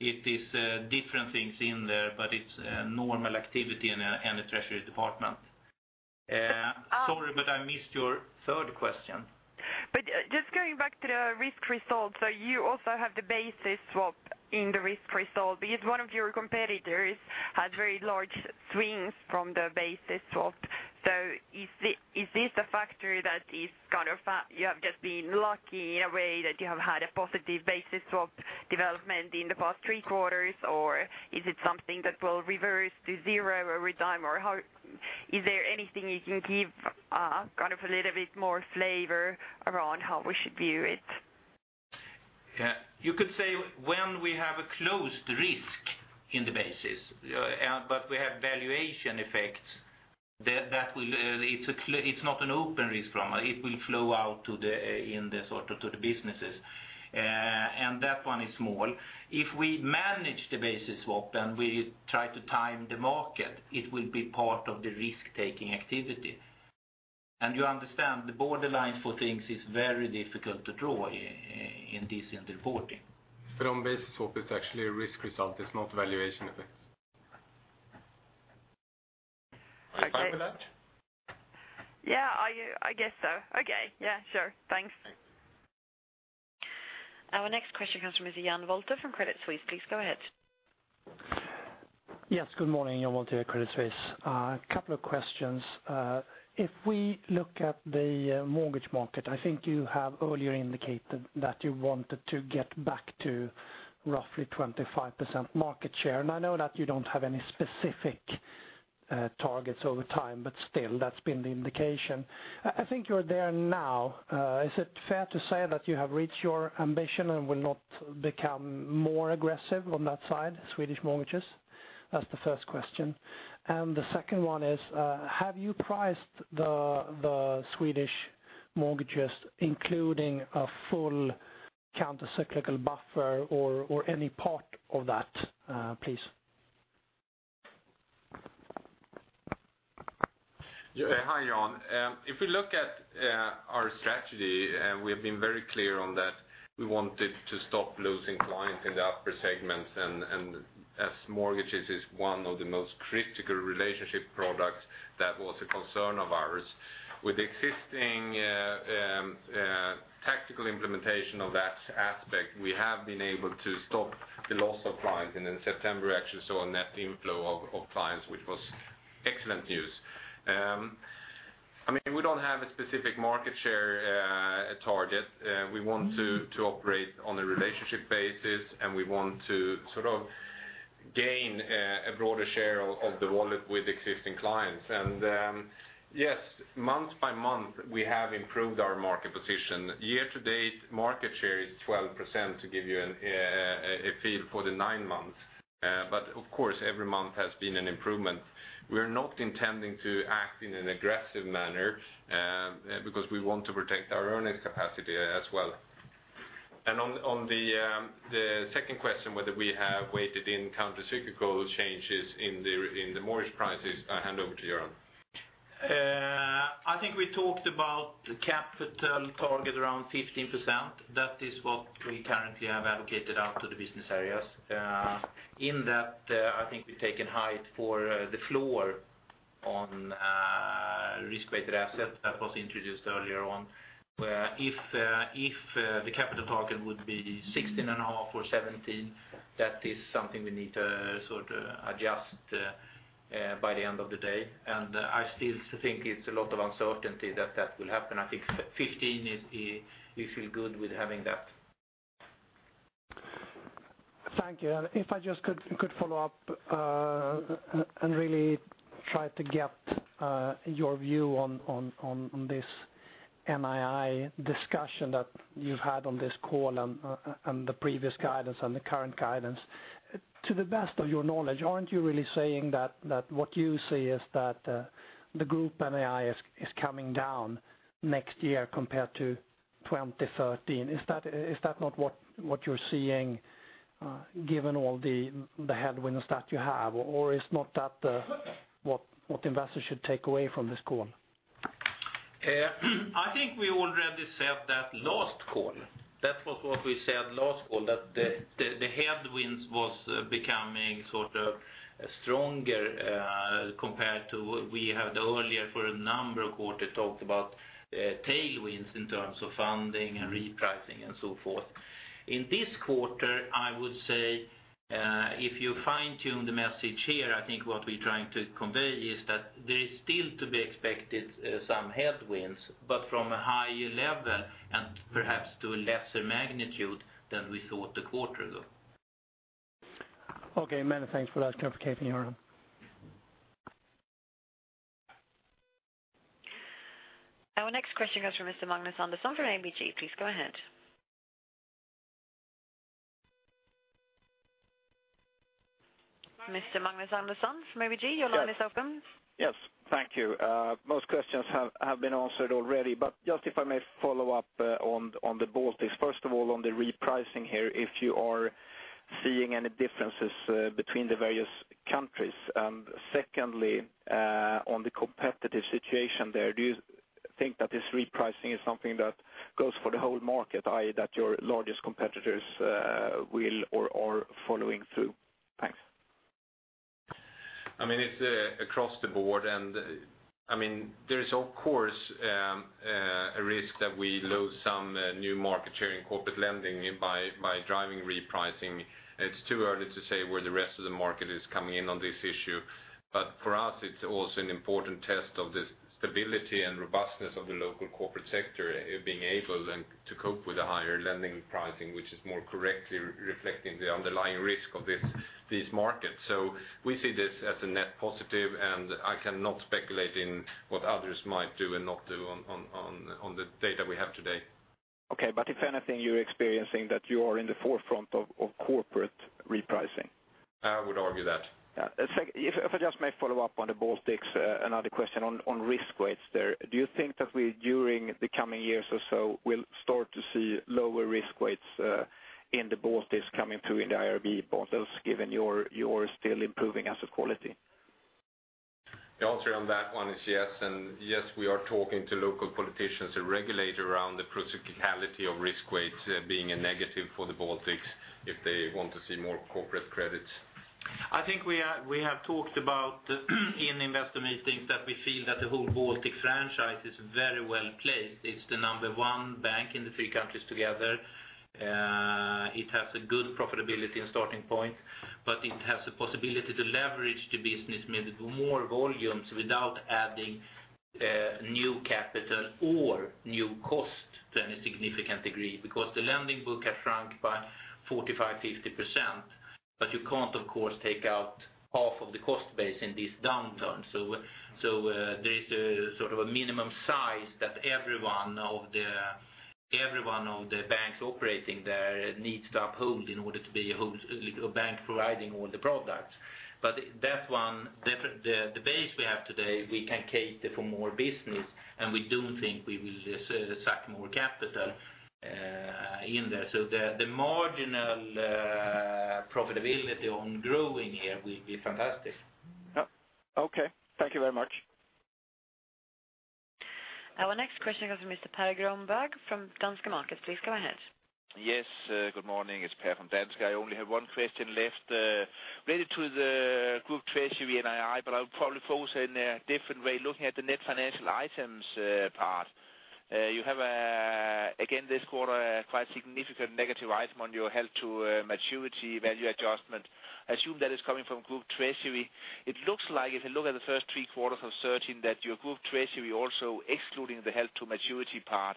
It is different things in there, but it's normal activity in the treasury department. Sorry, but I missed your third question. But just going back to the risk results, so you also have the basis swap in the risk result, because one of your competitors has very large swings from the basis swap. So is this a factor that is kind of, you have just been lucky in a way that you have had a positive basis swap development in the past three quarters? Or is it something that will reverse to zero every time? Or is there anything you can give, kind of a little bit more flavor around how we should view it? Yeah. You could say when we have a closed risk in the basis, but we have valuation effects, that will, it's not an open risk problem. It will flow out to the, in the sort of to the businesses. And that one is small. If we manage the basis swap, and we try to time the market, it will be part of the risk-taking activity. And you understand the borderline for things is very difficult to draw in this, in the reporting. From basis swap, it's actually a risk result. It's not valuation effect. Okay. Are you fine with that? Yeah, are you... I guess so. Okay. Yeah, sure. Thanks. Our next question comes from Mr. Jan Wolter from Credit Suisse. Please go ahead. Yes, good morning, Jan Wolter, Credit Suisse. A couple of questions. If we look at the mortgage market, I think you have earlier indicated that you wanted to get back to roughly 25% market share, and I know that you don't have any specific targets over time, but still, that's been the indication. I think you're there now. Is it fair to say that you have reached your ambition and will not become more aggressive on that side, Swedish mortgages? That's the first question. And the second one is, have you priced the Swedish mortgages, including a full countercyclical buffer or any part of that, please? Yeah. Hi, Jan. If we look at our strategy, and we've been very clear on that, we wanted to stop losing clients in the upper segments, and as mortgages is one of the most critical relationship products, that was a concern of ours. With existing tactical implementation of that aspect, we have been able to stop the loss of clients, and in September, we actually saw a net inflow of clients, which was excellent news. I mean, we don't have a specific market share target. We want to operate on a relationship basis, and we want to sort of gain a broader share of the wallet with existing clients. And yes, month by month, we have improved our market position. Year to date, market share is 12%, to give you a feel for the nine months. But of course, every month has been an improvement. We're not intending to act in an aggressive manner, because we want to protect our earning capacity as well. And on the second question, whether we have weighted in countercyclical changes in the mortgage prices, I hand over to you, Göran. I think we talked about the capital target around 15%. That is what we currently have allocated out to the business areas. In that, I think we've taken height for the floor on risk-weighted asset that was introduced earlier on. Where if the capital target would be 16.5 or 17, that is something we need to sort of adjust by the end of the day. I still think it's a lot of uncertainty that that will happen. I think 15 is, we feel good with having that. Thank you. And if I just could follow up and really try to get your view on this NII discussion that you've had on this call and the previous guidance and the current guidance. To the best of your knowledge, aren't you really saying that what you see is that the group NII is coming down next year compared to 2013? Is that not what you're seeing, given all the headwinds that you have, or is not that what investors should take away from this call? I think we already said that last call. That was what we said last call, that the headwinds was becoming sort of stronger, compared to what we had earlier for a number of quarter, talked about, tailwinds in terms of funding and repricing and so forth. In this quarter, I would say, if you fine-tune the message here, I think what we're trying to convey is that there is still to be expected, some headwinds, but from a higher level and perhaps to a lesser magnitude than we thought a quarter ago. Okay, many thanks for that clarification, Göran. Our next question comes from Mr. Magnus Andersson from ABG. Please go ahead. Mr. Magnus Andersson from ABG, your line is open. Yes. Thank you. Most questions have been answered already, but just if I may follow up on the Baltics. First of all, on the repricing here, if you are seeing any differences between the various countries? And secondly, on the competitive situation there, do you think that this repricing is something that goes for the whole market, i.e., that your largest competitors will or are following through? Thanks. I mean, it's across the board, and I mean, there is, of course, a risk that we lose some new market share in corporate lending by driving repricing. It's too early to say where the rest of the market is coming in on this issue. But for us, it's also an important test of the stability and robustness of the local corporate sector in being able then to cope with the higher lending pricing, which is more correctly reflecting the underlying risk of this, these markets. So we see this as a net positive, and I cannot speculate in what others might do and not do on the data we have today. Okay, but if anything, you're experiencing that you are in the forefront of corporate repricing? I would argue that. Yeah. If I just may follow up on the Baltics, another question on risk weights there. Do you think that we, during the coming years or so, will start to see lower risk weights in the Baltics coming through in the IRB models, given you're still improving asset quality? The answer on that one is yes, and yes, we are talking to local politicians and regulator around the practicality of risk weights being a negative for the Baltics if they want to see more corporate credits. I think we are, we have talked about, in investor meetings, that we feel that the whole Baltic franchise is very well placed. It's the number one bank in the three countries together. It has a good profitability and starting point, but it has the possibility to leverage the business with more volumes without adding, new capital or new cost to any significant degree, because the lending book has shrunk by 45%-50%. But you can't, of course, take out half of the cost base in this downturn. So, so, there is a sort of a minimum size that every one of the banks operating there needs to uphold in order to be a whole, a bank providing all the products. But that one, the base we have today, we can cater for more business, and we don't think we will suck more capital in there. So the marginal profitability on growing here will be fantastic. Yep. Okay, thank you very much. Our next question comes from Mr. Per Grönberg from Danske Markets. Please go ahead. Yes, good morning. It's Per from Danske. I only have one question left, related to the group treasury NII, but I'll probably pose it in a different way, looking at the net financial items, part. You have, again, this quarter, a quite significant negative item on your held-to-maturity value adjustment. I assume that is coming from group treasury. It looks like, if you look at the first three quarters of 2013, that your group treasury also, excluding the held-to-maturity part,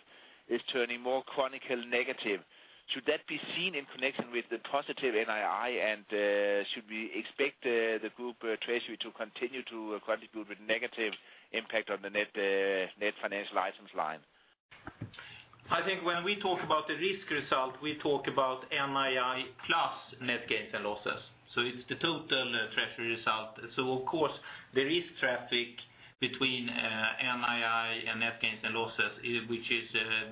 is turning more chronically negative. Should that be seen in connection with the positive NII, and, should we expect, the group treasury to continue to contribute with negative impact on the net, net financial items line? I think when we talk about the risk result, we talk about NII plus net gains and losses. So it's the total treasury result. So of course, there is traffic between NII and net gains and losses, which is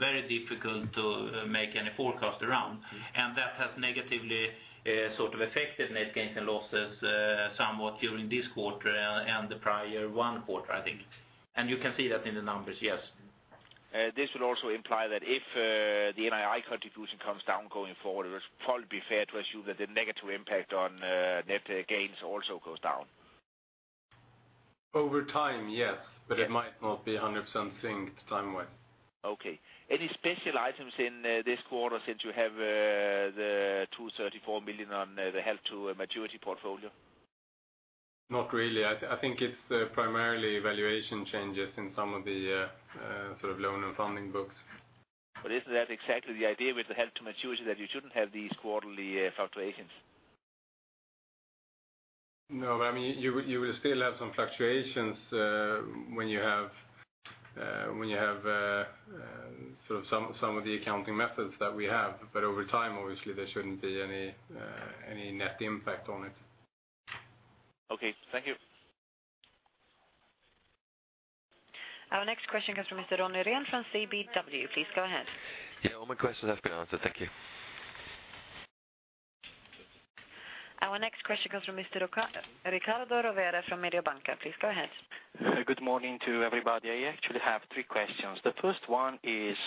very difficult to make any forecast around. And that has negatively sort of affected net gains and losses somewhat during this quarter and the prior one quarter, I think. And you can see that in the numbers, yes. This would also imply that if the NII contribution comes down going forward, it would probably be fair to assume that the negative impact on net gains also goes down. Over time, yes- Yes. But it might not be 100% synced timewise. Okay. Any special items in this quarter since you have the 234 million on the held-to-maturity portfolio? Not really. I think it's primarily valuation changes in some of the sort of loan and funding books. But isn't that exactly the idea with the held-to-maturity, that you shouldn't have these quarterly fluctuations? No, but I mean, you will still have some fluctuations when you have sort of some of the accounting methods that we have. But over time, obviously, there shouldn't be any net impact on it. Okay, thank you. Our next question comes from Mr. Ronnie Rehn from KBW. Please go ahead. Yeah, all my questions have been answered. Thank you. Our next question comes from Mr. Ricardo Rovere from Mediobanca. Please go ahead. Good morning to everybody. I actually have three questions. The first one is,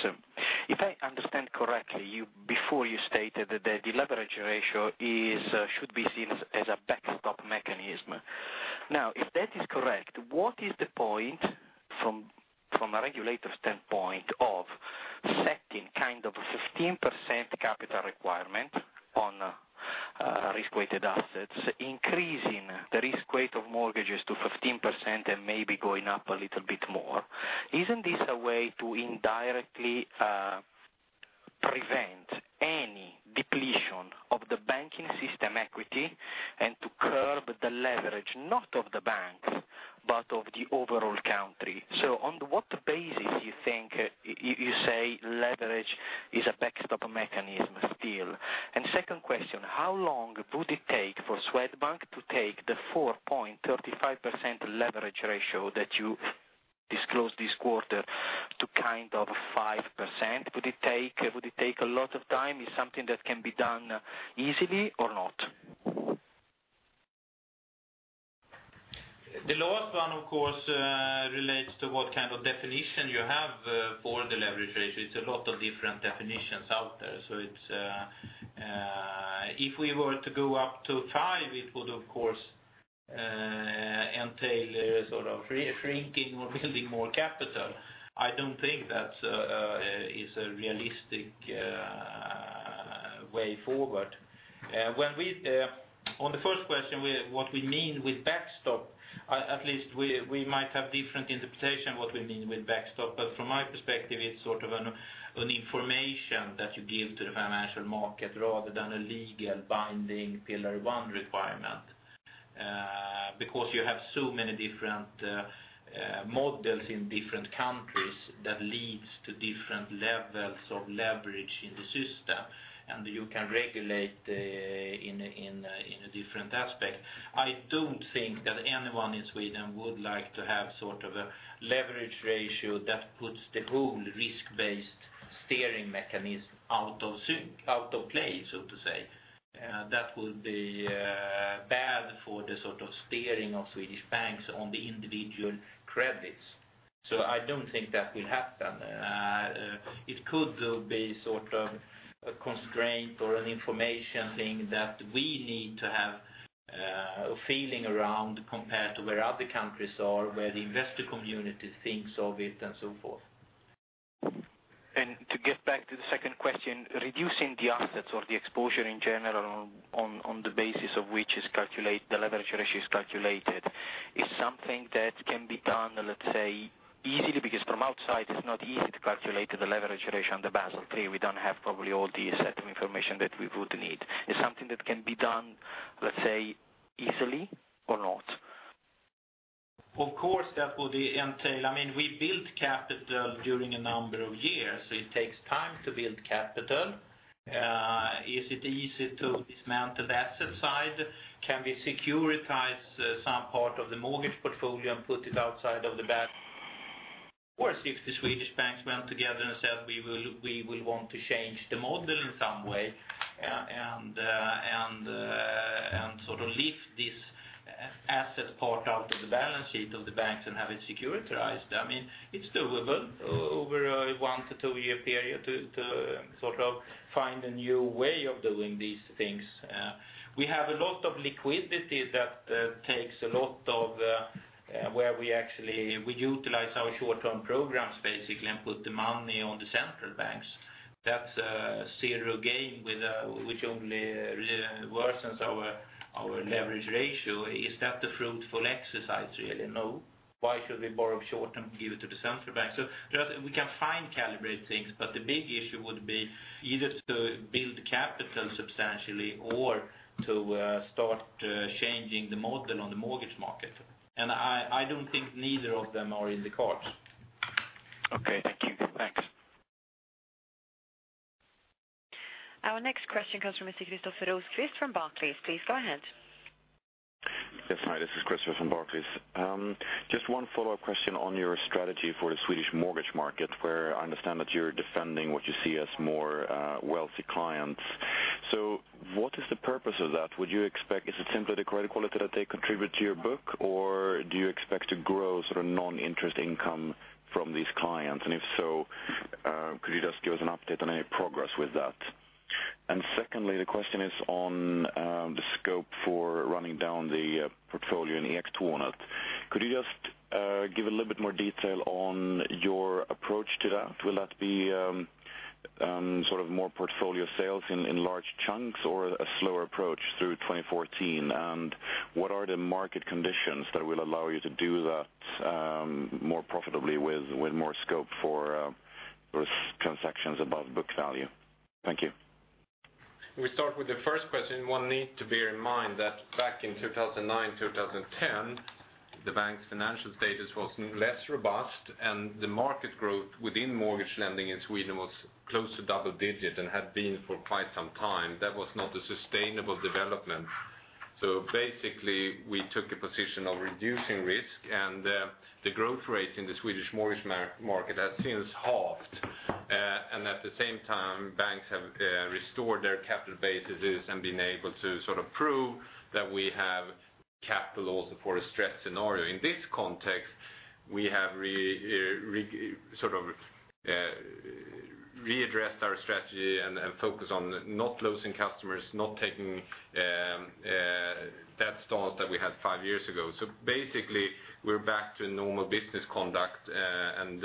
if I understand correctly, you before you stated that the leverage ratio is, should be seen as a backstop mechanism. Now, if that is correct, what is the point from a regulator standpoint of setting kind of 15% capital requirement on risk-weighted assets, increasing the risk weight of mortgages to 15% and maybe going up a little bit more? Isn't this a way to indirectly prevent any depletion of the banking system equity and to curb the leverage, not of the banks, but of the overall country? So on what basis you think you say leverage is a backstop mechanism still? And second question, how long would it take for Swedbank to take the 4.35% leverage ratio that you-... Disclose this quarter to kind of 5%. Would it take, would it take a lot of time? Is something that can be done easily or not? The last one, of course, relates to what kind of definition you have for the leverage ratio. It's a lot of different definitions out there. So it's if we were to go up to 5, it would, of course, entail a sort of re-shrinking or building more capital. I don't think that's is a realistic way forward. When we on the first question, what we mean with backstop, at least we, we might have different interpretation what we mean with backstop. But from my perspective, it's sort of an information that you give to the financial market rather than a legal binding Pillar One requirement. Because you have so many different models in different countries that leads to different levels of leverage in the system, and you can regulate the different aspect. I don't think that anyone in Sweden would like to have sort of a leverage ratio that puts the whole risk-based steering mechanism out of sync, out of play, so to say. That would be bad for the sort of steering of Swedish banks on the individual credits. So I don't think that will happen. It could, though, be sort of a constraint or an information thing that we need to have a feeling around compared to where other countries are, where the investor community thinks of it, and so forth. To get back to the second question, reducing the assets or the exposure in general, on the basis of which is calculate, the leverage ratio is calculated, is something that can be done, let's say, easily, because from outside, it's not easy to calculate the leverage ratio on the Basel III. We don't have probably all the set of information that we would need. It's something that can be done, let's say, easily or not? Of course, that would entail. I mean, we built capital during a number of years, so it takes time to build capital. Is it easy to dismantle the asset side? Can we securitize some part of the mortgage portfolio and put it outside of the bank? Of course, if the Swedish banks went together and said, we will, we will want to change the model in some way and, and, and sort of lift this asset part out of the balance sheet of the banks and have it securitized. I mean, it's doable over a 1- to 2-year period to sort of find a new way of doing these things. We have a lot of liquidity that takes a lot of, where we actually, we utilize our short-term programs, basically, and put the money on the central banks. That's a zero game with which only worsens our leverage ratio. Is that the fruitful exercise, really? No. Why should we borrow short and give it to the central bank? So we can fine-calibrate things, but the big issue would be either to build capital substantially or to start changing the model on the mortgage market. And I don't think neither of them are in the cards. Okay, thank you. Thanks. Our next question comes from Christoffer from Barclays. Please, go ahead. Yes, hi, this is Christoffer from Barclays. Just one follow-up question on your strategy for the Swedish mortgage market, where I understand that you're defending what you see as more wealthy clients. So what is the purpose of that? Would you expect, is it simply the credit quality that they contribute to your book, or do you expect to grow sort of non-interest income from these clients? And if so, could you just give us an update on any progress with that? And secondly, the question is on the scope for running down the portfolio in Ektornet. Could you just give a little bit more detail on your approach to that? Will that be sort of more portfolio sales in large chunks or a slower approach through 2014? What are the market conditions that will allow you to do that more profitably with more scope for transactions above book value? Thank you. We start with the first question. One need to bear in mind that back in 2009, 2010, the bank's financial status was less robust and the market growth within mortgage lending in Sweden was close to double-digit and had been for quite some time. That was not a sustainable development. So basically, we took a position of reducing risk, and the growth rate in the Swedish mortgage market has since halved. And at the same time, banks have restored their capital bases and been able to sort of prove that we have capital also for a stress scenario. In this context, we have sort of readdressed our strategy and focus on not losing customers, not taking that start that we had 5 years ago. So basically, we're back to normal business conduct, and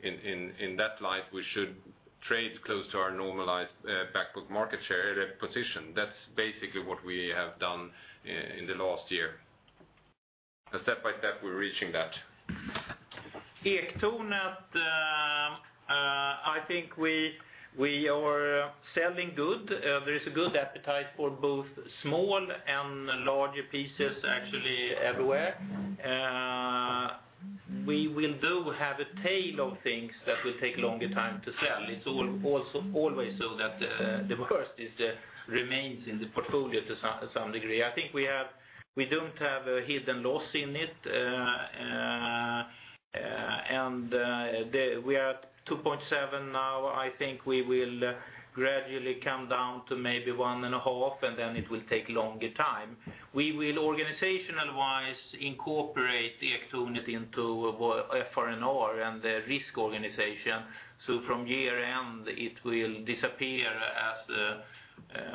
in that light, we should trade close to our normalized backbook market share position. That's basically what we have done in the last year. But step by step, we're reaching that. Ektornet, I think we are selling good. There is a good appetite for both small and larger pieces, actually, everywhere. We do have a tail of things that will take longer time to sell. It's also always so that the worst remains in the portfolio to some degree. I think we don't have a hidden loss in it. And we are at 2.7 now. I think we will gradually come down to maybe 1.5, and then it will take longer time. We will, organizational-wise, incorporate the activity into FRNR and the risk organization. So from year-end, it will disappear as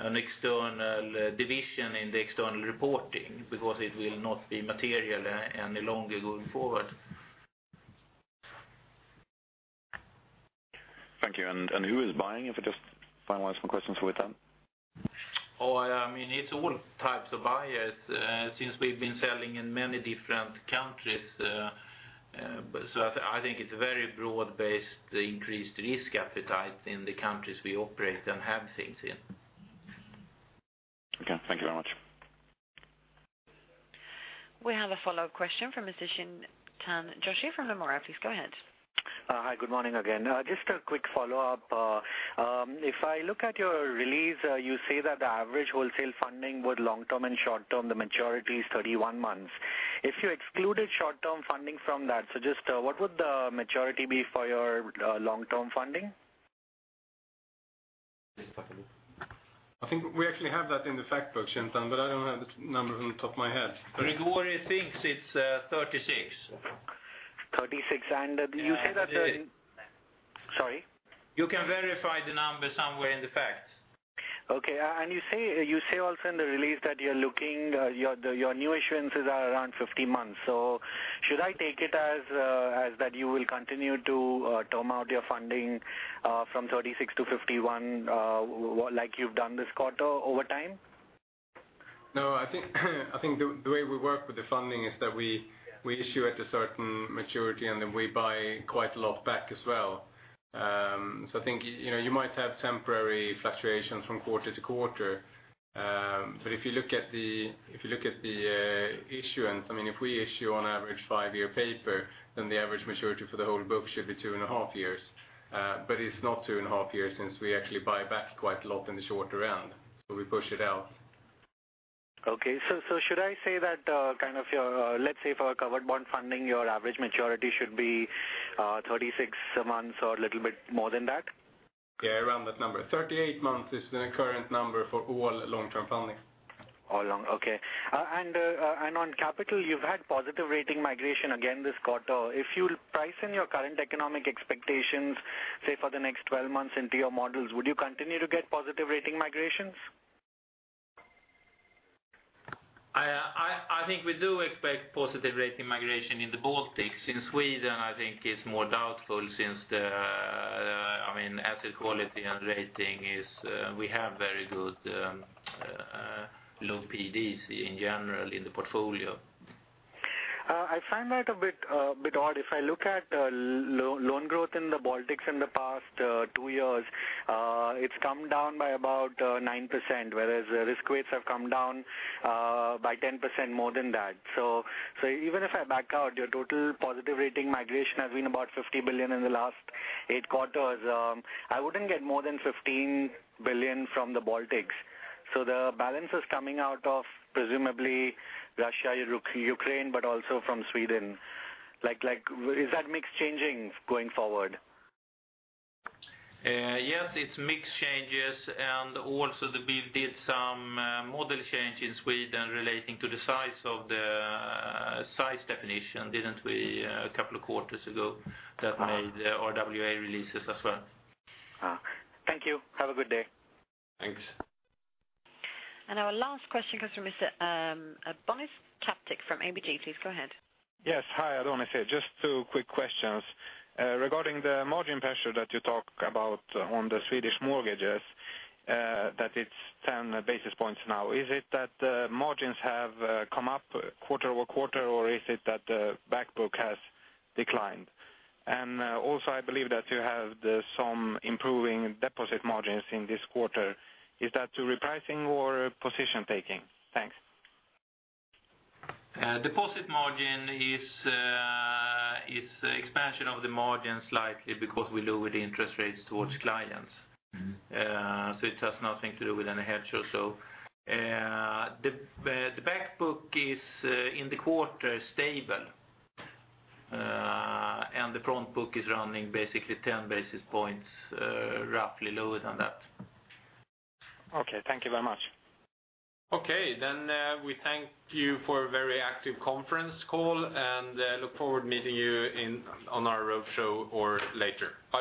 an external division in the external reporting because it will not be material any longer going forward. Thank you. And who is buying, if I just finalize my questions with that? Oh, I mean, it's all types of buyers, since we've been selling in many different countries. So I think it's a very broad-based increased risk appetite in the countries we operate and have things in. Okay, thank you very much. We have a follow-up question from Mr. Chintan Joshi from Nomura. Please go ahead. Hi, good morning again. Just a quick follow-up. If I look at your release, you say that the average wholesale funding with long-term and short-term, the majority is 31 months. If you excluded short-term funding from that, so just, what would the maturity be for your long-term funding? I think we actually have that in the fact book, Chintan, but I don't have the number on the top of my head. Gregori thinks it's 36. 36. And you say that the- Yeah. Sorry? You can verify the number some way in the facts. Okay. And you say, you say also in the release that you're looking, your, the, your new issuances are around 50 months. So should I take it as, as that you will continue to, term out your funding, from 36 to 51, like you've done this quarter over time? No, I think the way we work with the funding is that we issue at a certain maturity, and then we buy quite a lot back as well. So I think, you know, you might have temporary fluctuations from quarter to quarter. But if you look at the issuance, I mean, if we issue on average five-year paper, then the average maturity for the whole book should be two and a half years. But it's not two and a half years, since we actually buy back quite a lot in the short round, so we push it out. Okay. So, so should I say that, kind of your... Let's say for covered bond funding, your average maturity should be, 36 months or a little bit more than that? Yeah, around that number. 38 months is the current number for all long-term funding. All long. Okay. And on capital, you've had positive rating migration again this quarter. If you price in your current economic expectations, say, for the next 12 months into your models, would you continue to get positive rating migrations? I think we do expect positive rating migration in the Baltics. In Sweden, I think it's more doubtful since the, I mean, asset quality and rating is, we have very good, low PDs in general in the portfolio. I find that a bit odd. If I look at loan growth in the Baltics in the past 2 years, it's come down by about 9%, whereas risk rates have come down by 10% more than that. Even if I back out, your total positive rating migration has been about 50 billion in the last 8 quarters. I wouldn't get more than 15 billion from the Baltics. So the balance is coming out of presumably Russia, Ukraine, but also from Sweden. Like, is that mix changing going forward? Yes, it's mix changes, and also that we did some model change in Sweden relating to the size of the size definition, didn't we, a couple of quarters ago? Uh-huh. That made RWA releases as well. Ah. Thank you. Have a good day. Thanks. Our last question comes from Mr. Borys Rzepczynski from ABG. Please go ahead. Yes. Hi, everyone. Just two quick questions. Regarding the margin pressure that you talk about on the Swedish mortgages, that it's ten basis points now. Is it that the margins have come up quarter-over-quarter, or is it that the back book has declined? And also, I believe that you have the, some improving deposit margins in this quarter. Is that through repricing or position taking? Thanks. Deposit margin is, is expansion of the margin slightly because we lower the interest rates towards clients. Mm-hmm. So it has nothing to do with any hedge or so. The back book is in the quarter stable. And the front book is running basically 10 basis points, roughly lower than that. Okay, thank you very much. Okay. Then, we thank you for a very active conference call, and look forward to meeting you in, on our roadshow or later.